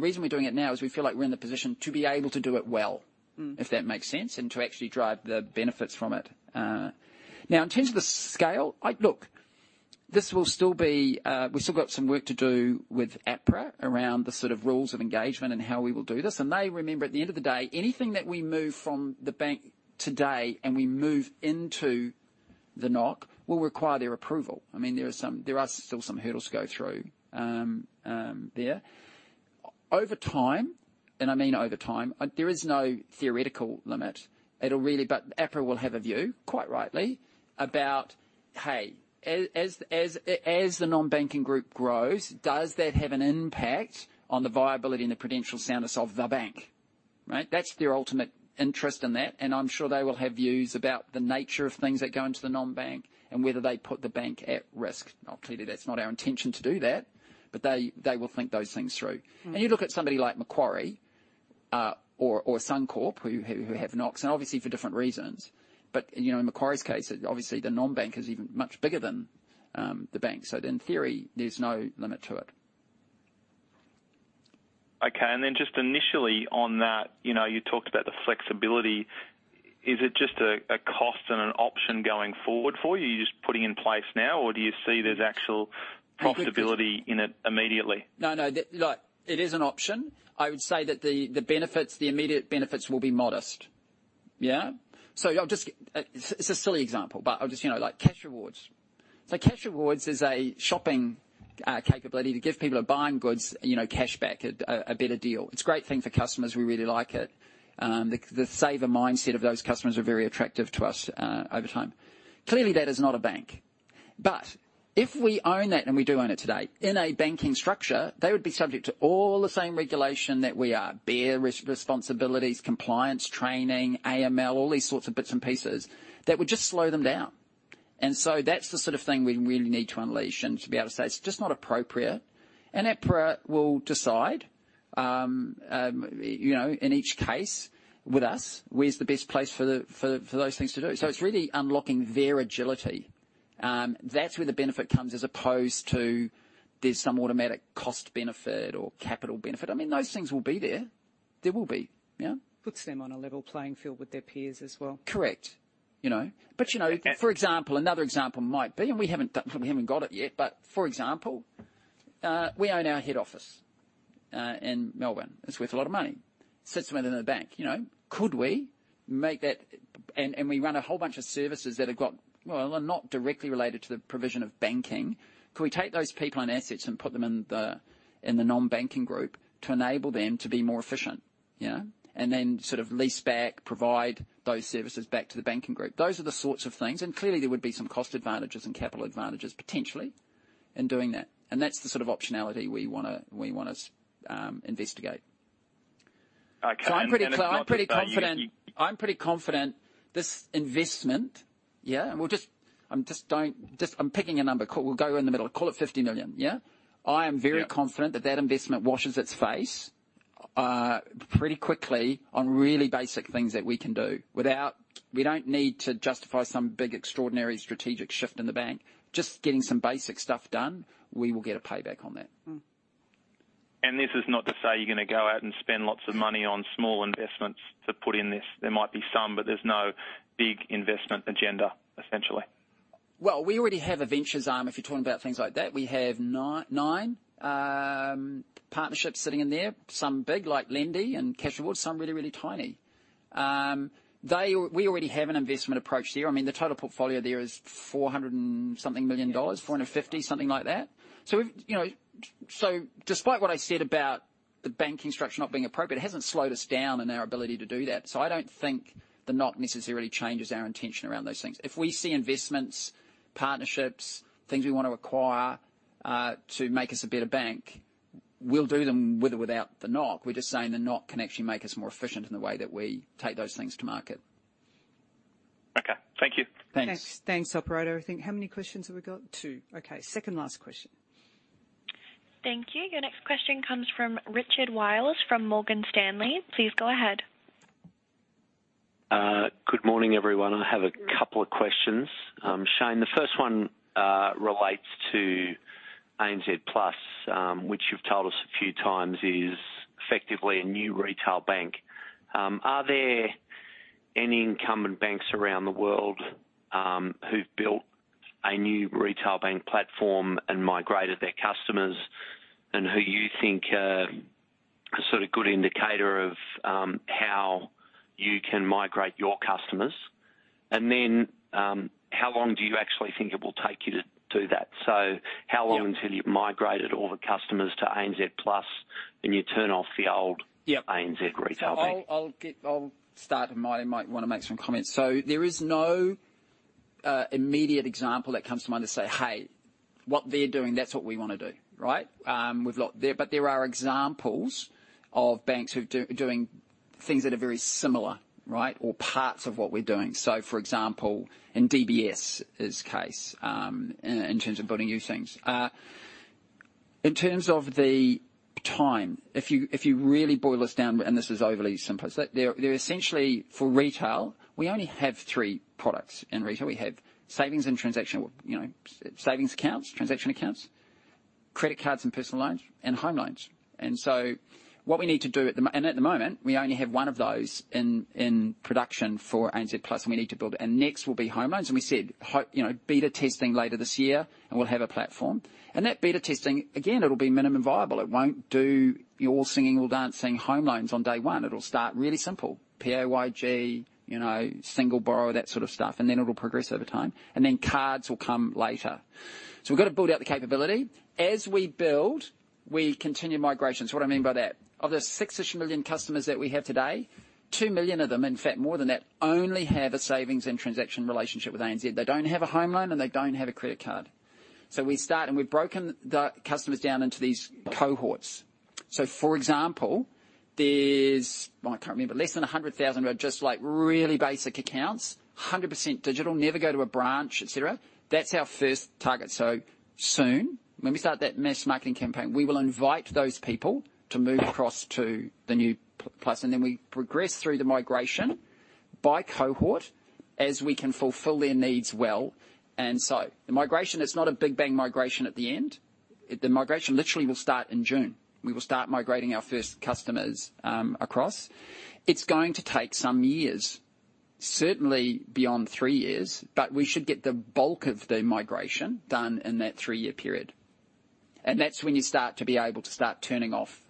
reason we're doing it now is we feel like we're in the position to be able to do it well. Mm. If that makes sense, and to actually drive the benefits from it. Now in terms of the scale, look, this will still be. We've still got some work to do with APRA around the sort of rules of engagement and how we will do this. They, remember, at the end of the day, anything that we move from the bank today and we move into the NOC will require their approval. I mean, there are still some hurdles to go through, there. Over time, and I mean over time, there is no theoretical limit. It'll really. APRA will have a view, quite rightly, about, hey, as the non-banking group grows, does that have an impact on the viability and the prudential soundness of the bank? Right? That's their ultimate interest in that, and I'm sure they will have views about the nature of things that go into the non-bank and whether they put the bank at risk. Now, clearly, that's not our intention to do that, but they will think those things through. Mm. You look at somebody like Macquarie or Suncorp. Mm. who have NOCs, and obviously for different reasons. You know, in Macquarie's case, obviously the non-bank is even much bigger than the bank. In theory, there's no limit to it. Okay. Just initially on that, you know, you talked about the flexibility. Is it just a cost and an option going forward for you? You're just putting in place now or do you see there's actual profitability in it immediately? No, no. Look, it is an option. I would say that the benefits, the immediate benefits will be modest. It's a silly example, but I'll just, you know, like Cashrewards. Cashrewards is a shopping capability to give people who are buying goods, you know, cashback at a better deal. It's a great thing for customers. We really like it. The saver mindset of those customers are very attractive to us over time. Clearly, that is not a bank. If we own that, and we do own it today, in a banking structure, they would be subject to all the same regulation that we are. Bear responsibilities, compliance, training, AML, all these sorts of bits and pieces that would just slow them down. That's the sort of thing we really need to unleash and to be able to say, "It's just not appropriate." APRA will decide, you know, in each case with us, where's the best place for those things to do. It's really unlocking their agility. That's where the benefit comes, as opposed to there's some automatic cost benefit or capital benefit. I mean, those things will be there. There will be. Yeah. Puts them on a level playing field with their peers as well. Correct. You know. You know. Okay. For example, another example might be. We haven't got it yet, but for example, we own our head office in Melbourne. It's worth a lot of money. Sits within the bank. You know, could we make that. We run a whole bunch of services that have got. Well, they're not directly related to the provision of banking. Could we take those people and assets and put them in the non-banking group to enable them to be more efficient, yeah? Then sort of lease back, provide those services back to the banking group. Those are the sorts of things. Clearly, there would be some cost advantages and capital advantages potentially in doing that. That's the sort of optionality we wanna investigate. Okay. It's not that you- I'm pretty confident this investment, yeah, and we'll just, I'm picking a number. We'll go in the middle. Call it 50 million, yeah? Yeah. I am very confident that that investment washes its face pretty quickly on really basic things that we can do without. We don't need to justify some big, extraordinary strategic shift in the bank. Just getting some basic stuff done, we will get a payback on that. Mm. This is not to say you're gonna go out and spend lots of money on small investments to put in this. There might be some, but there's no big investment agenda, essentially. We already have a ventures arm, if you're talking about things like that. We have nine partnerships sitting in there. Some big, like Lendi and Cashrewards, some really tiny. We already have an investment approach there. I mean, the total portfolio there is 400-something million dollars, 450-something like that. Despite what I said about the banking structure not being appropriate, it hasn't slowed us down in our ability to do that. I don't think the NOC necessarily changes our intention around those things. If we see investments, partnerships, things we wanna acquire to make us a better bank, we'll do them with or without the NOC. We're just saying the NOC can actually make us more efficient in the way that we take those things to market. Okay. Thank you. Thanks. Thanks. Thanks, Operator. I think, how many questions have we got? Two. Okay, second last question. Thank you. Your next question comes from Richard Wiles from Morgan Stanley. Please go ahead. Good morning, everyone. I have a couple of questions. Shayne, the first one relates to ANZ Plus, which you've told us a few times is effectively a new retail bank. Are there any incumbent banks around the world who've built a new retail bank platform and migrated their customers and who you think are a sort of good indicator of how you can migrate your customers? How long do you actually think it will take you to do that? Yeah. until you've migrated all the customers to ANZ Plus, and you turn off the old Yeah. ANZ retail bank? I'll start, and Richard Wiles might wanna make some comments. There is no immediate example that comes to mind to say, "Hey, what they're doing, that's what we wanna do." Right? We've looked there. There are examples of banks who've doing things that are very similar, right? Or parts of what we're doing. For example, in DBS' case, in terms of building new things. In terms of the time, if you really boil this down, and this is overly simplified. There are essentially, for retail, we only have three products in retail. We have savings and transaction, you know, savings accounts, transaction accounts, credit cards and personal loans, and home loans. What we need to do at the mo At the moment, we only have one of those in production for ANZ Plus, and we need to build. Next will be home loans. We said, you know, beta testing later this year, and we'll have a platform. That beta testing, again, it'll be minimum viable. It won't do your singing or dancing home loans on day one. It'll start really simple. PAYG, you know, single borrow, that sort of stuff, and then it'll progress over time. Then cards will come later. We've got to build out the capability. As we build, we continue migrations. What I mean by that, of the six-ish million customers that we have today, 2 million of them, in fact, more than that, only have a savings and transaction relationship with ANZ. They don't have a home loan, and they don't have a credit card. We start, and we've broken the customers down into these cohorts. For example, there's less than 100,000 that are just, like, really basic accounts, 100% digital, never go to a branch, et cetera. That's our first target. Soon, when we start that mass marketing campaign, we will invite those people to move across to the new ANZ Plus, and then we progress through the migration by cohort as we can fulfill their needs well. The migration is not a big bang migration at the end. The migration literally will start in June. We will start migrating our first customers across. It's going to take some years, certainly beyond three years, but we should get the bulk of the migration done in that three-year period. That's when you start to be able to start turning off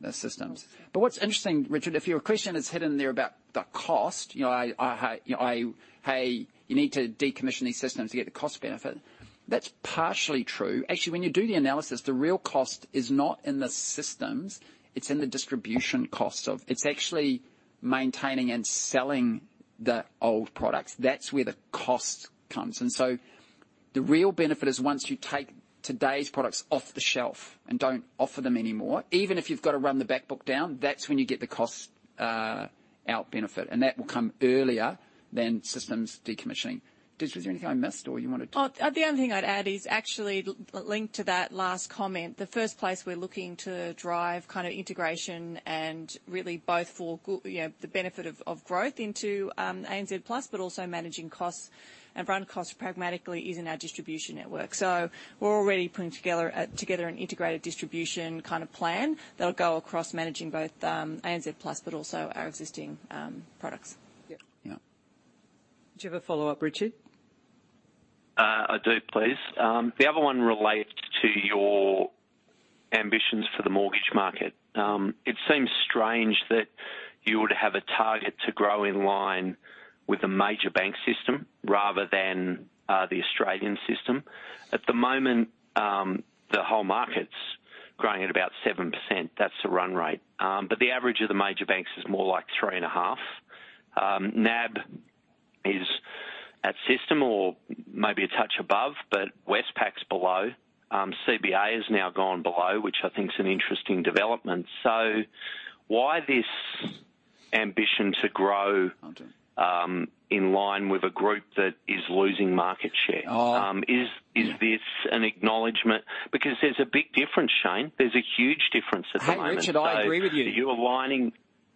the systems. What's interesting, Richard, if your question is hidden there about the cost. You know, "Hey, you need to decommission these systems to get the cost benefit." That's partially true. Actually, when you do the analysis, the real cost is not in the systems, it's in the distribution cost of. It's actually maintaining and selling the old products. That's where the cost comes. The real benefit is once you take today's products off the shelf and don't offer them anymore, even if you've got to run the back book down, that's when you get the cost out benefit, and that will come earlier than systems decommissioning. Was there anything I missed or you wanted to- Oh, the only thing I'd add is actually linked to that last comment. The first place we're looking to drive kind of integration and really both you know, the benefit of growth into ANZ Plus, but also managing costs and run costs pragmatically is in our distribution network. We're already putting together an integrated distribution kind of plan that'll go across managing both ANZ Plus, but also our existing products. Yeah. Yeah. Do you have a follow-up, Richard? I do, please. The other one relates to your ambitions for the mortgage market. It seems strange that you would have a target to grow in line with the major bank system rather than the Australian system. At the moment, the whole market's growing at about 7%. That's the run rate. But the average of the major banks is more like 3.5%. NAB is at system or maybe a touch above, but Westpac's below. CBA has now gone below, which I think is an interesting development. Why this ambition to grow in line with a group that is losing market share? Oh. Is this an acknowledgement? Because there's a big difference, Shayne. There's a huge difference at the moment. Hey, Richard, I agree with you. You're aligning.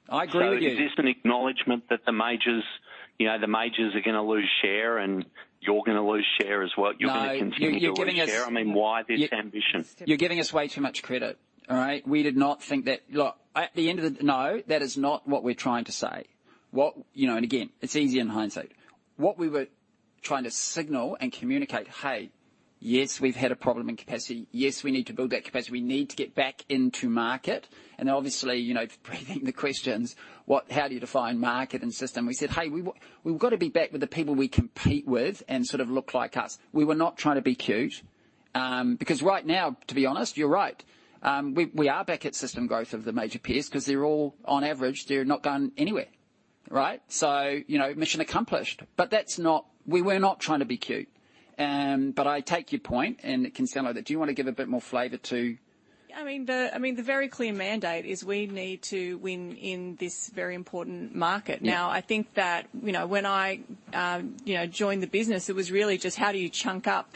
I agree with you. Is this an acknowledgement that the majors, you know, the majors are gonna lose share and you're gonna lose share as well? No. You're gonna continue to lose share. I mean, why this ambition? You're giving us way too much credit. All right? No, that is not what we're trying to say. You know, again, it's easier in hindsight. What we were trying to signal and communicate, hey, yes, we've had a problem in capacity. Yes, we need to build that capacity. We need to get back into market. Obviously, you know, pre-empting the questions, what, how do you define market and system? We said, "Hey, we've got to be back with the people we compete with and sort of look like us." We were not trying to be cute, because right now, to be honest, you're right. We are back at system growth of the major peers 'cause they're all on average, they're not going anywhere, right? You know, mission accomplished. We were not trying to be cute. I take your point, and it can sound like that. Do you wanna give a bit more flavor to. I mean, the very clear mandate is we need to win in this very important market. Yeah. Now, I think that, you know, when I joined the business, it was really just how do you chunk up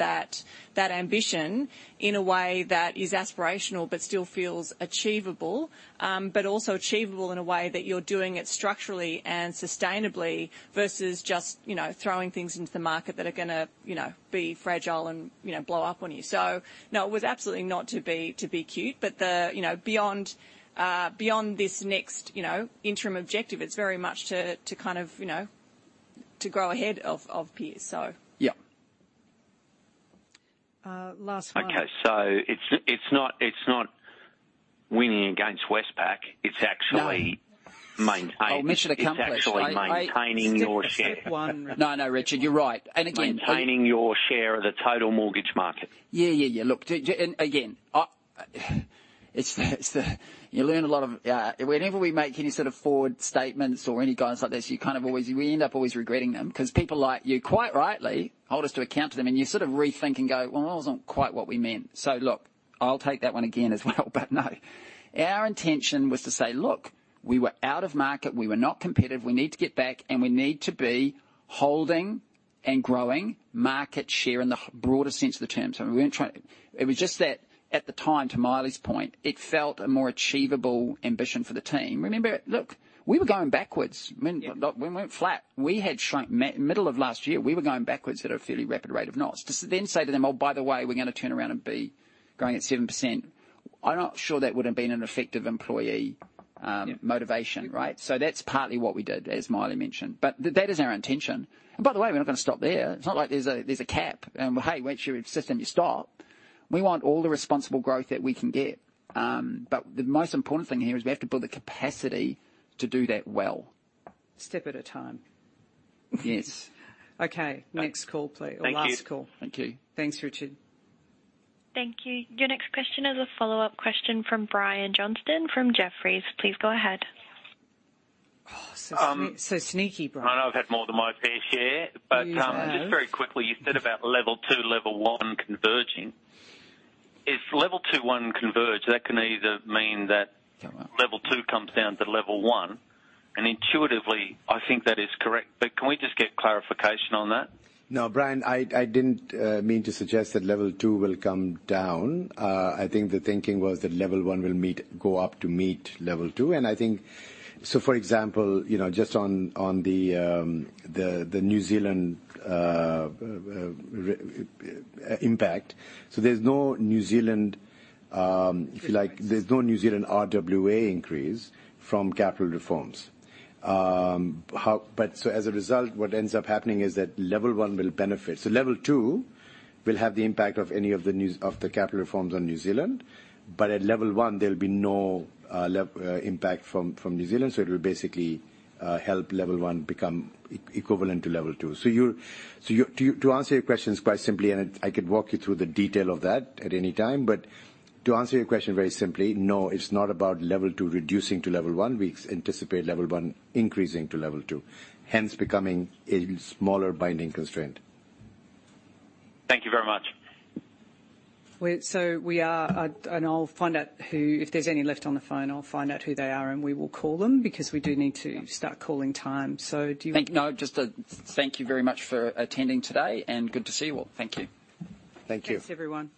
that ambition in a way that is aspirational but still feels achievable, but also achievable in a way that you're doing it structurally and sustainably versus just, you know, throwing things into the market that are gonna, you know, be fragile and, you know, blow up on you. No, it was absolutely not to be cute. The, you know, beyond this next, you know, interim objective, it's very much to kind of, you know, to grow ahead of peers. Yeah. Last one. Okay. It's not winning against Westpac. No. It's actually. Oh, mission accomplished. It's actually maintaining your share. No, no, Richard, you're right. Again. Maintaining your share of the total mortgage market. Yeah. Look, again, it's the. You learn a lot whenever we make any sort of forward statements or any guidance like this, you kind of always, we end up always regretting them. 'Cause people like you, quite rightly, hold us to account to them, and you sort of rethink and go, "Well, that wasn't quite what we meant." Look, I'll take that one again as well. No, our intention was to say, "Look, we were out of market. We were not competitive. We need to get back, and we need to be holding and growing market share in the broader sense of the term." We weren't trying. It was just that at the time, to Maile's point, it felt a more achievable ambition for the team. Remember, look, we were going backwards. Yeah. I mean, look, we went flat. Middle of last year, we were going backwards at a fairly rapid rate of knots. Say to them, "Oh, by the way, we're gonna turn around and be growing at 7%," I'm not sure that would've been an effective employee motivation. Yeah. Right? That's partly what we did, as Maile mentioned. That is our intention. By the way, we're not gonna stop there. It's not like there's a cap and, hey, once you reach system, you stop. We want all the responsible growth that we can get. The most important thing here is we have to build the capacity to do that well. Step at a time. Yes. Okay. Next call, please. Thank you. Last call. Thank you. Thanks, Richard. Thank you. Your next question is a follow-up question from Brian Johnson from Jefferies. Please go ahead. Oh, so sneaky, Brian. I know I've had more than my fair share. You have. just very quickly, you said about level two, level one converging. If level two one converge, that can either mean that. Yeah, man. Level two comes down to level one, and intuitively I think that is correct. Can we just get clarification on that? No, Brian, I didn't mean to suggest that level two will come down. I think the thinking was that level one will go up to meet level two. I think, for example, you know, just on the New Zealand impact. There's no New Zealand, if you like- Business. There's no New Zealand RWA increase from capital reforms. As a result, what ends up happening is that level one will benefit. Level two will have the impact of any of the new capital reforms on New Zealand. At level one, there'll be no impact from New Zealand, so it'll basically help level one become equivalent to level two. To answer your questions quite simply, and I could walk you through the detail of that at any time. To answer your question very simply, no, it's not about level two reducing to level one. We anticipate level one increasing to level two, hence becoming a smaller binding constraint. Thank you very much. We are. If there's any left on the phone, I'll find out who they are, and we will call them because we do need to start calling time. Do you Thank you. No, just thank you very much for attending today and good to see you all. Thank you. Thank you. Thanks, everyone.